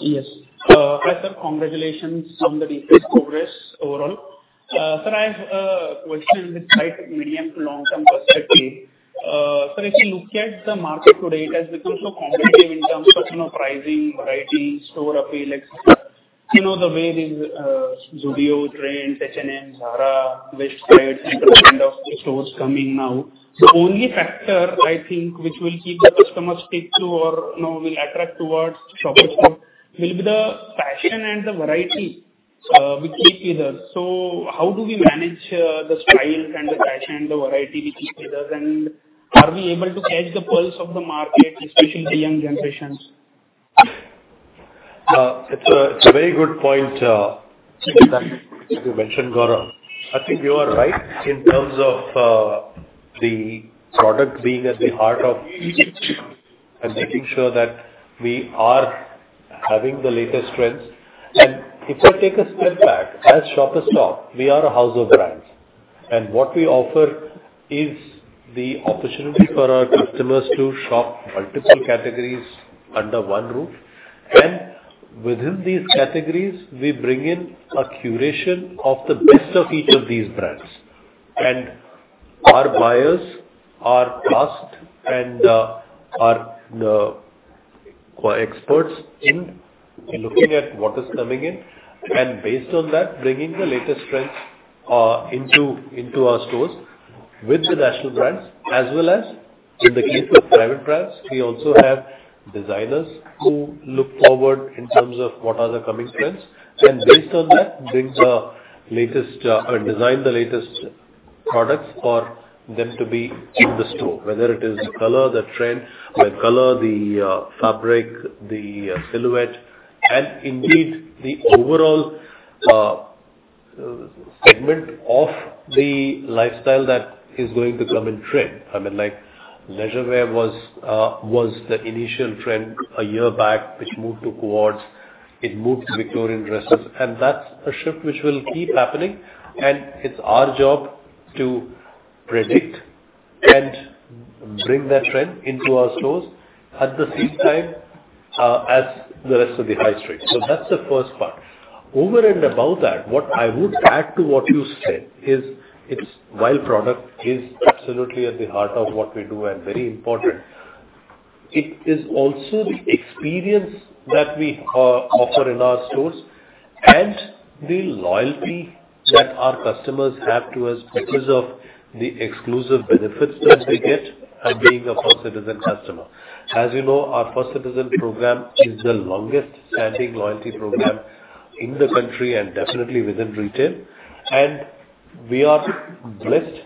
Yes. Hi, sir. Congratulations on the decreased progress overall. Sir, I have a question with quite medium to long-term perspective. Sir, if you look at the market today, it has become so competitive in terms of, you know, pricing, variety, store appeal, et cetera. You know, the way these Studio, Trends, H&M, Zara, Westside, and all kind of stores coming now. The only factor, I think, which will keep the customers stick to or, you know, will attract towards Shoppers Stop will be the fashion and the variety which is with us. How do we manage the style and the fashion and the variety which is with us, and are we able to catch the pulse of the market, especially the young generations? It's a very good point that you mentioned, Gaurav. I think you are right in terms of the product being at the heart of it, and making sure that we are having the latest trends. If I take a step back, as Shoppers Stop, we are a house of brands, and what we offer is the opportunity for our customers to shop multiple categories under one roof, and within these categories, we bring in a curation of the best of each of these brands. Our buyers are tasked and are experts in looking at what is coming in, and based on that, bringing the latest trends into our stores with the national brands, as well as in the case of private brands, we also have designers who look forward in terms of what are the coming trends, and based on that, bring the latest, I mean, design the latest products for them to be in the store, whether it is the color, the trend, the fabric, the silhouette, and indeed, the overall segment of the lifestyle that is going to come in trend. I mean, like, leisure wear was the initial trend a year back, which moved to co-ords, it moved to Victorian dresses. That's a shift which will keep happening. It's our job to predict and bring that trend into our stores at the same time as the rest of the high street. That's the first part. Over and above that, what I would add to what you said is while product is absolutely at the heart of what we do and very important, it is also the experience that we offer in our stores and the loyalty that our customers have to us because of the exclusive benefits that they get and being a First Citizen customer. As you know, our First Citizen program is the longest standing loyalty program in the country and definitely within retail. We are blessed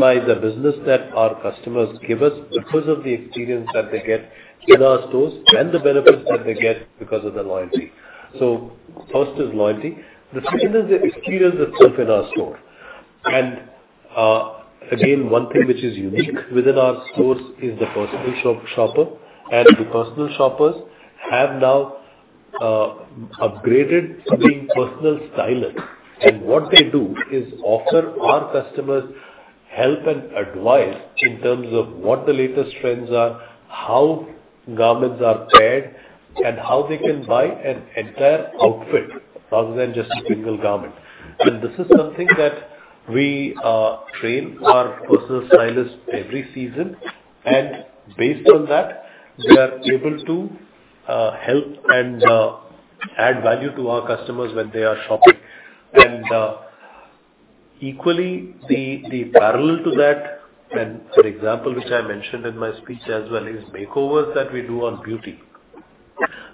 by the business that our customers give us because of the experience that they get in our stores and the benefits that they get because of the loyalty. First is loyalty. The second is the experience itself in our store. Again, one thing which is unique within our stores is the personal shopper, and the personal shoppers have now upgraded to being personal stylists. What they do is offer our customers help and advice in terms of what the latest trends are, how garments are paired, and how they can buy an entire outfit rather than just a single garment. This is something that we train our personal stylists every season, and based on that, we are able to help and add value to our customers when they are shopping. Equally, the parallel to that, and for example, which I mentioned in my speech as well, is makeovers that we do on beauty.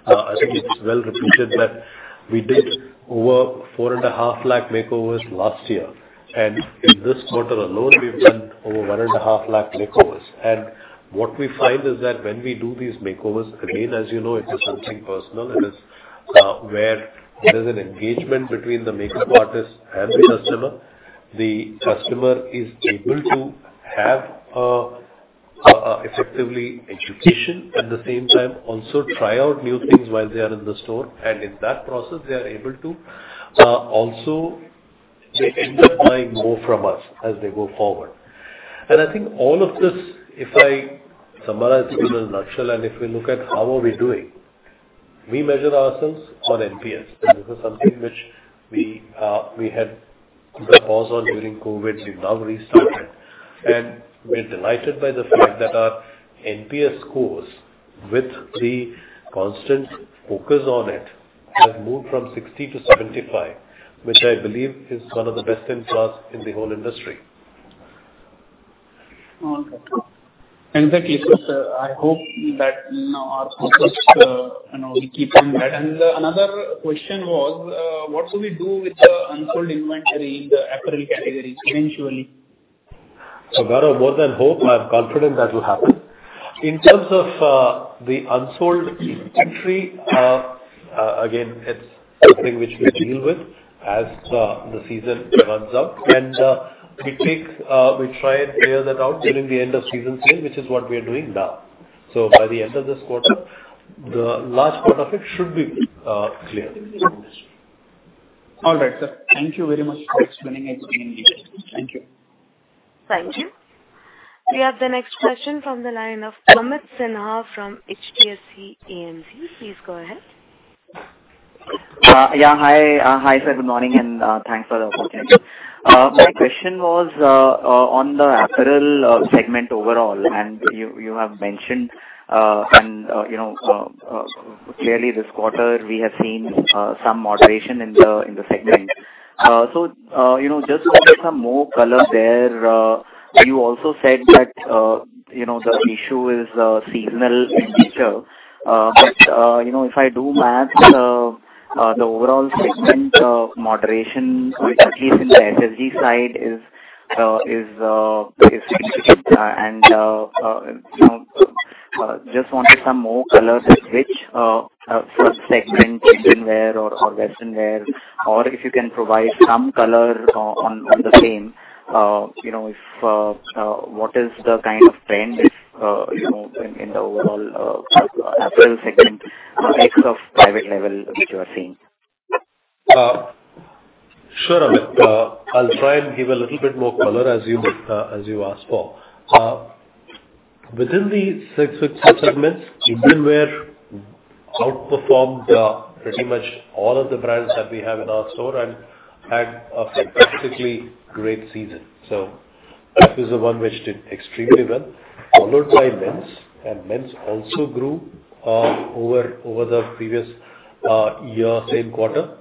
I think it's well repeated that we did over 4.5 lakh makeovers last year, and in this quarter alone, we've done over 1.5 lakh makeovers. What we find is that when we do these makeovers, again, as you know, it is something personal, and it's where there's an engagement between the makeup artist and the customer. The customer is able to have effectively education, at the same time, also try out new things while they are in the store, and in that process, they are able to also they end up buying more from us as they go forward. I think all of this, if I summarize in a nutshell, if we look at how are we doing, we measure ourselves on NPS. This is something which we had put a pause on during COVID. We've now restarted, and we're delighted by the fact that our NPS scores, with the constant focus on it, has moved from 60% to 75%, which I believe is one of the best in class in the whole industry. Okay. In that case, sir, I hope that, you know, our focus, you know, we keep on that. Another question was, what do we do with the unsold inventory in the apparel category eventually? That are more than hope. I'm confident that will happen. In terms of the unsold inventory, again, it's something which we deal with as the season runs out. We try and clear that out during the End of Season Sale, which is what we are doing now. By the end of this quarter, the large part of it should be clear. All right, sir. Thank you very much for explaining it to me. Thank you. Thank you. We have the next question from the line of Amit Sinha from HDFC AMC. Please go ahead. Yeah. Hi, hi, sir, good morning, thanks for the opportunity. My question was on the apparel segment overall, you have mentioned, you know, clearly this quarter, we have seen some moderation in the segment. Just to get some more color there, you also said that, you know, the issue is seasonal in nature. If I do math, the overall segment moderation, which at least in the SSD side is significant. You know, just wanted some more color with which sub-segment, children wear or western wear, or if you can provide some color on the same, you know, if what is the kind of trend if, you know, in the overall apparel segment, mix of private label which you are seeing? Sure, Amit. I'll try and give a little bit more color, as you asked for. Within the segment, children wear outperformed pretty much all of the brands that we have in our store and had a fantastically great season. This is the one which did extremely well, followed by men's, and men's also grew over the previous year, same quarter.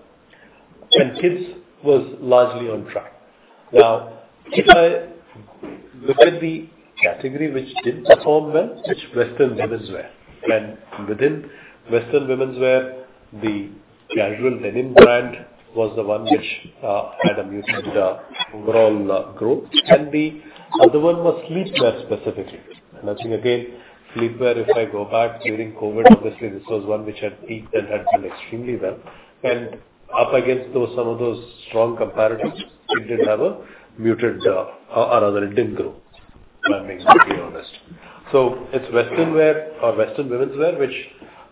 Kids was largely on track. Now, if I look at the category which didn't perform well, it's western women's wear. Within western women's wear, the casual denim brand was the one which had a muted overall growth, and the other one was sleepwear, specifically. I think, again, sleepwear, if I go back during COVID, obviously, this was one which had peaked and had done extremely well. Up against those, some of those strong comparatives, it did have a muted, or rather it didn't grow, if I'm being completely honest. It's western wear, or western women's wear, which,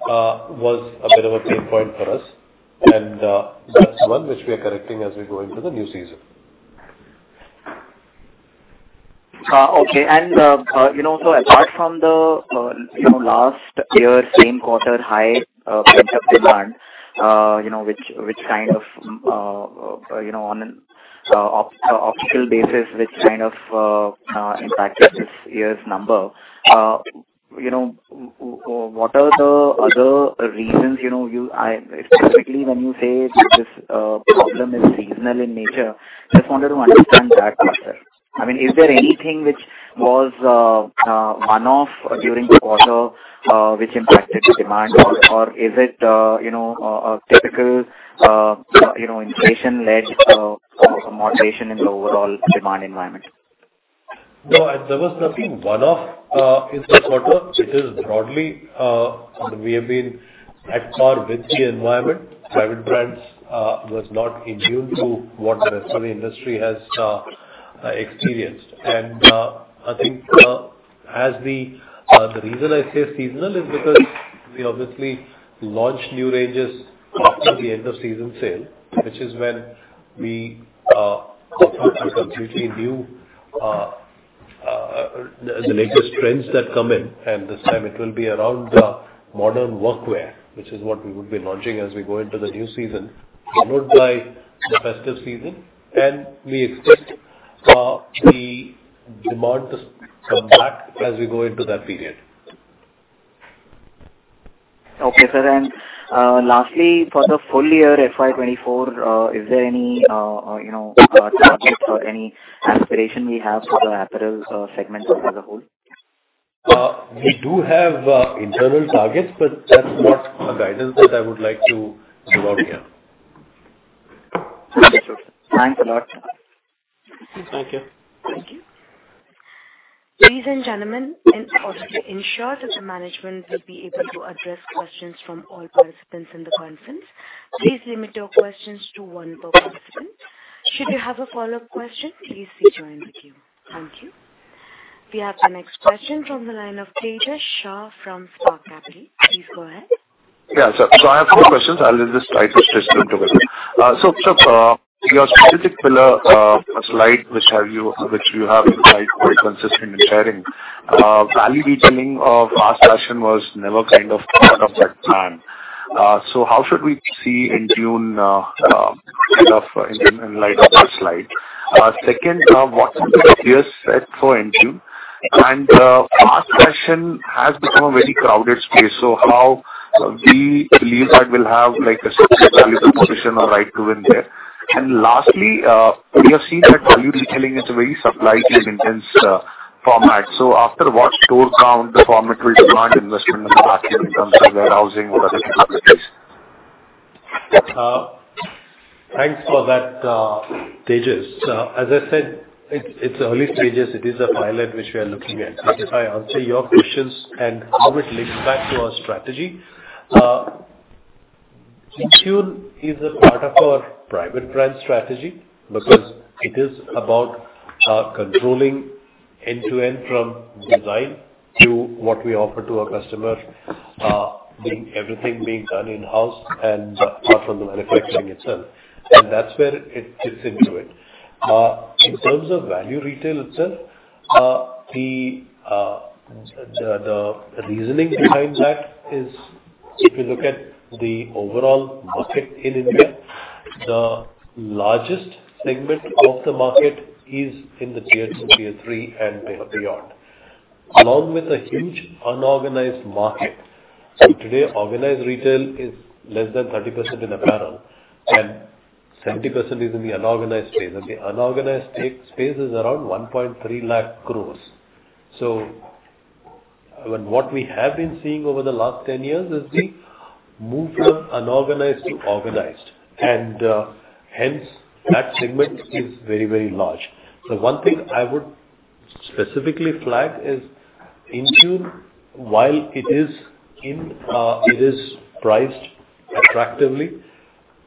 was a bit of a pain point for us, and, that's one which we are correcting as we go into the new season. Okay. You know, so apart from the, you know, last year, same quarter high, pent-up demand, you know, which kind of, you know, on an official basis, which kind of, impacted this year's number. You know, what are the other reasons, you know, specifically when you say this, problem is seasonal in nature, just wanted to understand that part, sir? I mean, is there anything which was, one-off during the quarter, which impacted the demand? Is it, you know, a typical, you know, inflation-led, moderation in the overall demand environment? No, there was nothing one-off in the quarter. It is broadly, we have been at par with the environment. Private brands was not immune to what the rest of the industry has experienced. I think the reason I say seasonal is because we obviously launch new ranges at the end of season sale, which is when we offer some completely new the latest trends that come in, and this time it will be around modern work wear, which is what we would be launching as we go into the new season, followed by the festive season. We expect the demand to come back as we go into that period. Okay, sir. Lastly, for the full year FY '2024, is there any, you know, target or any aspiration we have for the apparel, segment as a whole? We do have internal targets. That's not a guidance that I would like to roll out here. Thanks a lot, sir. Thank you. Thank you. Ladies and gentlemen, in order to ensure that the management will be able to address questions from all participants in the conference, please limit your questions to one per participant. Should you have a follow-up question, please join the queue. Thank you. We have the next question from the line of Tejas Shah from Spark Capital. Please go ahead. I have two questions. I'll just try to stretch them to us. Your strategic pillar, slide, which you have been quite consistent in sharing, value detailing of fast fashion was never kind of part of that plan. How should we see InTune, kind of in light of that slide? Second, what is the clear set for InTune? Fast fashion has become a very crowded space, so how do you believe that will have, like, a successful position or right to win there? Lastly, we have seen that value retailing is a very supply chain intense, format. After what store count, the format will demand investment in the market in terms of warehousing or other capabilities. Thanks for that, Tejas. As I said, it's early stages. It is a pilot which we are looking at. Let me answer your questions and how it links back to our strategy. InTune is a part of our private brand strategy because it is about controlling end-to-end from design to what we offer to our customer, being everything being done in-house and from the manufacturing itself, and that's where it fits into it. In terms of value retail itself, the reasoning behind that is, if you look at the overall market in India, the largest segment of the market is in the tier two, tier three, and beyond, along with a huge unorganized market. Today, organized retail is less than 30% in apparel, and 70% is in the unorganized space, and the unorganized space is around 1.3 lakh crore. What we have been seeing over the last 10 years is the move from unorganized to organized, and hence, that segment is very, very large. One thing I would specifically flag is InTune, while it is priced attractively,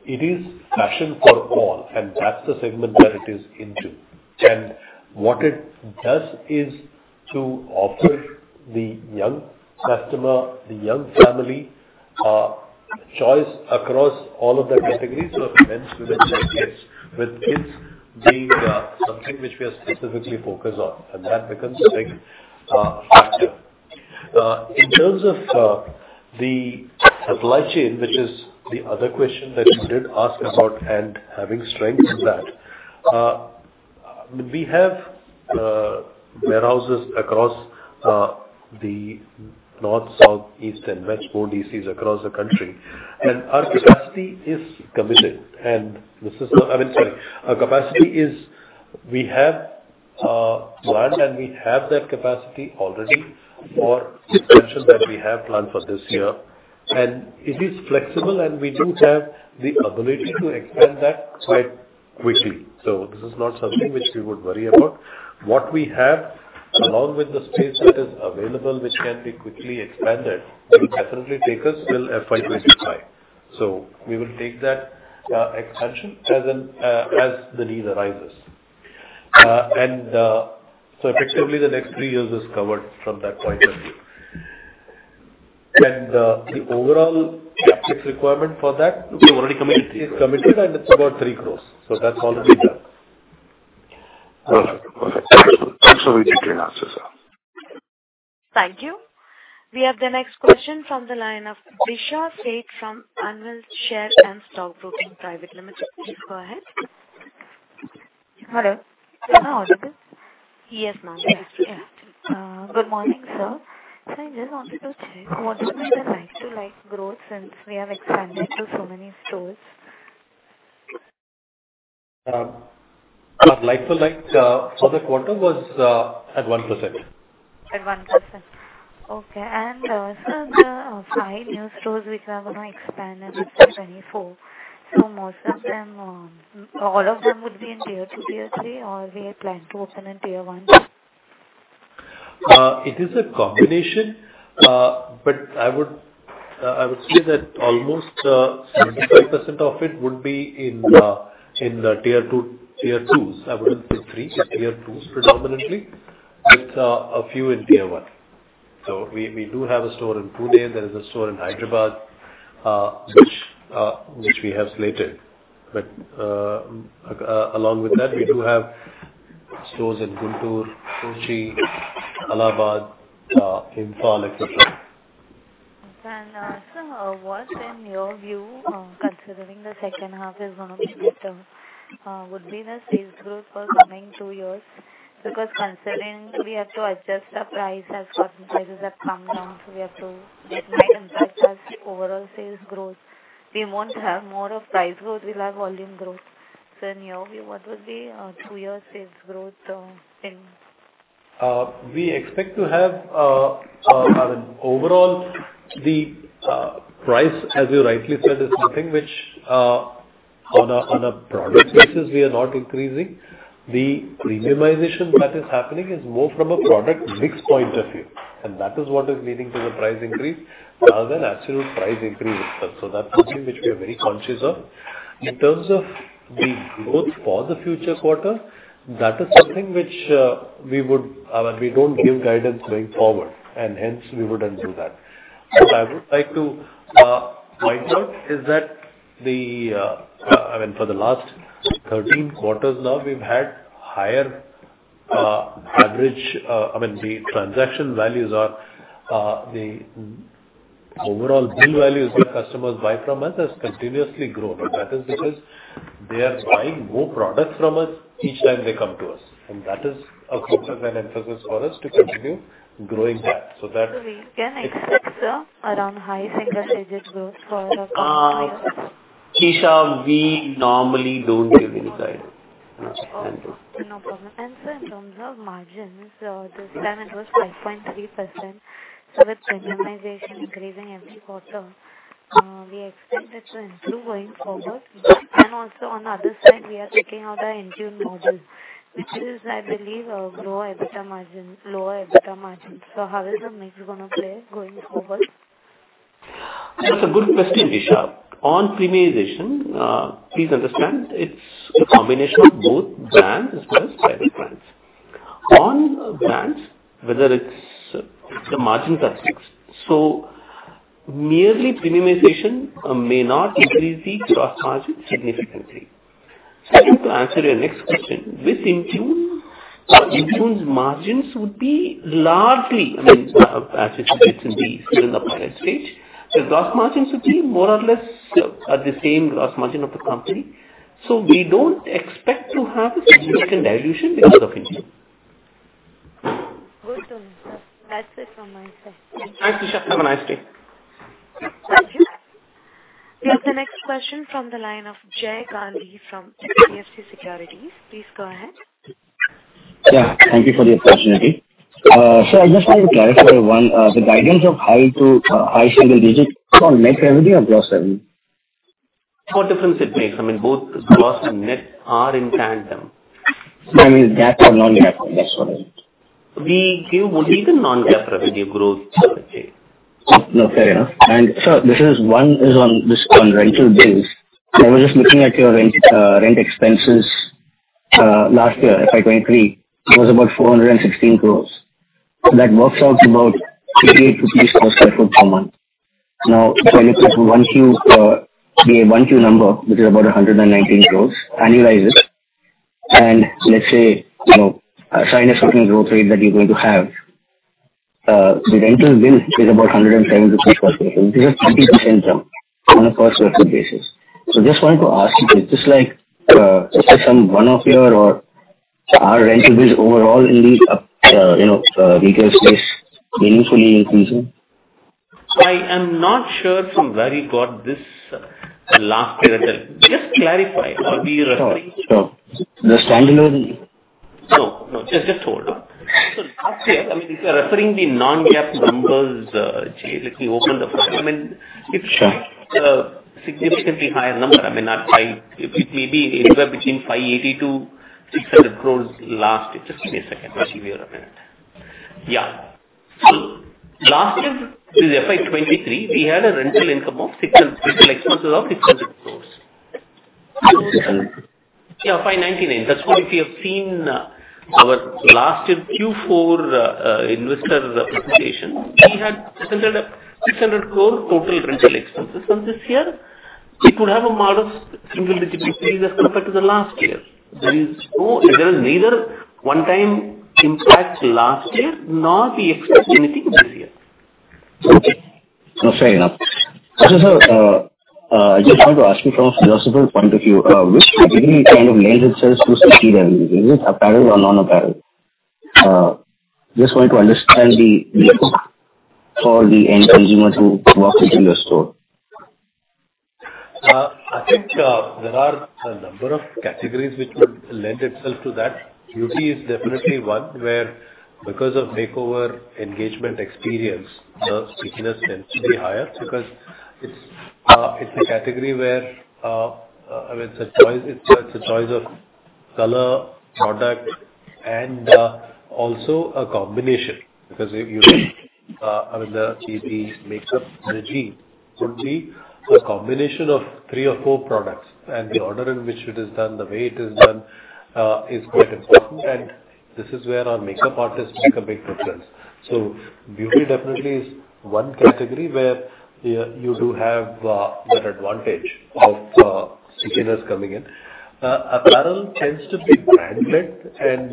it is fashion for all, and that's the segment that it is into. What it does is to offer the young customer, the young family, choice across all of the categories of men's, women's, and kids, with kids being something which we are specifically focused on, and that becomes a big factor. In terms of the supply chain, which is the other question that you did ask us about and having strength to that, we have warehouses across the north, south, east, and west, four DCs across the country, our capacity is committed, we have land, and we have that capacity already for expansion that we have planned for this year. It is flexible, and we do have the ability to expand that quite quickly. This is not something which we would worry about. What we have, along with the space that is available, which can be quickly expanded, will definitely take us till FY '2025. We will take that expansion as the need arises. effectively, the next three years is covered from that point of view. The overall CapEx requirement for that. We already committed. It's committed, and it's about 3 crores, so that's already done. All right. Perfect. Thanks for the detailed answer, sir. Thank you. We have the next question from the line of Disha Sait from Anvil Share and Stock Broking Private Limited. Please go ahead. Hello, am I audible? Yes, ma'am. Good morning, sir. I just wanted to check what is the like-to-like growth since we have expanded to so many stores. Our like-to-like for the quarter was at 1%. ...At 1%. The five new stores which are going to expand in 2024, most of them, all of them would be in tier two, tier three, or we plan to open in tier one? It is a combination, I would say that almost 75% of it would be in the tier two, tier two. I wouldn't say three, tier two predominantly, with a few in tier one. We do have a store in Pune. There is a store in Hyderabad, which we have slated. Along with that, we do have stores in Guntur, Kochi, Allahabad, Imphal, etc. Sir, what, in your view, considering the second half is going to be better, would be the sales growth for coming two years? Considering we have to adjust the price as prices have come down, we have to impact our overall sales growth. We won't have more of price growth, we'll have volume growth. In your view, what will be two-year sales growth in? We expect to have, I mean, overall, the price, as you rightly said, is something which on a product basis, we are not increasing. The premiumization that is happening is more from a product mix point of view, and that is what is leading to the price increase rather than absolute price increase itself. That's something which we are very conscious of. In terms of the growth for the future quarter, that is something which we don't give guidance going forward, and hence we wouldn't do that. What I would like to, point out is that the, I mean, for the last 13 quarters now, we've had higher, average, I mean, the transaction values are, the overall bill values where customers buy from us has continuously grown, and that is because they are buying more products from us each time they come to us, and that is a constant emphasis for us to continue growing that. We can expect, sir, around high single-digit growth for the coming years. Disha, we normally don't give any guidance. No problem. Sir, in terms of margins, this time it was 5.3%. With premiumization increasing every quarter, we expect it to improve going forward. Also on the other side, we are taking out our InTune module, which is, I believe, lower EBITDA margin. How is the mix going to play going forward? That's a good question, Disha. On premiumization, please understand, it's a combination of both brands as well as private brands. On brands, whether it's the margins are fixed, merely premiumization, may not increase the gross margin significantly. To answer your next question, with InTune's margins would be largely, I mean, as it should be, still in the pilot stage, the gross margins would be more or less, the same gross margin of the company. We don't expect to have a significant dilution because of InTune. Good to hear, sir. That's it from my side. Thanks, Disha. Have a nice day. Thank you. We have the next question from the line of Jay Gandhi from HDFC Securities. Please go ahead. Yeah, thank you for the opportunity. I just want to clarify one, the guidance of high to high single digit on net revenue or gross revenue? What difference it makes? I mean, both gross and net are in tandem. I mean, GAAP or non-GAAP, that's what I mean. We give only the non-GAAP revenue growth, Jay. No, fair enough. Sir, this is, one is on this, on rental bills. I was just looking at your rent expenses last year, FY 2023, it was about 416 crores. That works out to about 88 rupees per sq ft per month. Now, if I look at 1Q, the 1Q number, which is about 119 crores, annualize it, and let's say, you know, a certain growth rate that you're going to have, the rental bill is about 107 rupees per sq ft. This is a 30% jump on a first sq ft basis. Just wanted to ask you, just like, is this some one-off year or are rental bills overall in the, you know, retail space meaningfully increasing? I am not sure from where you got this last year. Just clarify, are we referring to? Sure, sure. The standalone. No, just hold on. Last year, I mean, if you are referring the non-GAAP numbers, Jay, let me open the file. I mean, it's a significantly higher number. I mean, not INR 500 crores. It may be anywhere between 580 crores-600 crores last year. Just give me a second. Just give me a minute. Yeah. Last year, in FY 2023, we had a rental income of 600, rental expenses of 600 crores. INR 600 crores? 599 crores. That's why if you have seen, our last Q4 investor presentation, we had presented a 600 crore total rental expenses. This year, we could have a modest single-digit increase as compared to the last year. There is neither one-time impact last year, nor we expect anything this year. Okay. No, fair enough. Sir, I just wanted to ask you from a philosophical point of view, which category kind of lends itself to stickiness? Is it apparel or non-apparel? Just want to understand the mix for the end consumer who walks into your store. I think there are a number of categories which would lend itself to that. Beauty is definitely one where, because of makeover engagement experience, the stickiness tends to be higher because it's a category where, I mean, it's a choice, it's a choice of color, product, and also a combination. If you, I mean, the beauty makeup regime could be a combination of three or four products, and the order in which it is done, the way it is done, is quite important, and this is where our makeup artists make a big difference. Beauty definitely is one category where you do have that advantage of stickiness coming in. Apparel tends to be brand led, and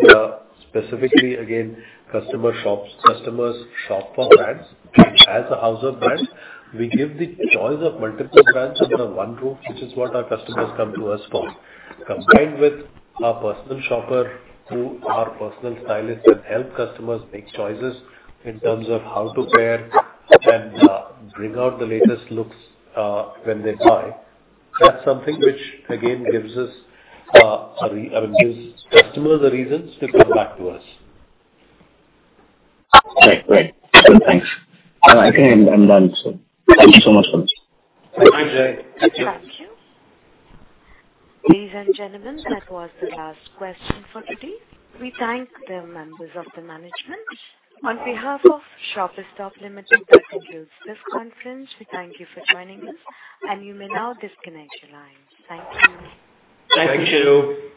specifically, again, customers shop for brands. As a house of brands, we give the choice of multiple brands under one roof, which is what our customers come to us for. Combined with our personal shopper, who are personal stylists and help customers make choices in terms of how to pair and bring out the latest looks when they buy. That's something which again, gives us I mean, gives customers a reason to come back to us. Right. Great. Thanks. I think I'm done, so thank you so much for this. Bye, Jay. Thank you. Ladies and gentlemen, that was the last question for today. We thank the members of the management. On behalf of Shoppers Stop Limited, I conclude this conference. We thank you for joining us, and you may now disconnect your line. Thank you. Thank you.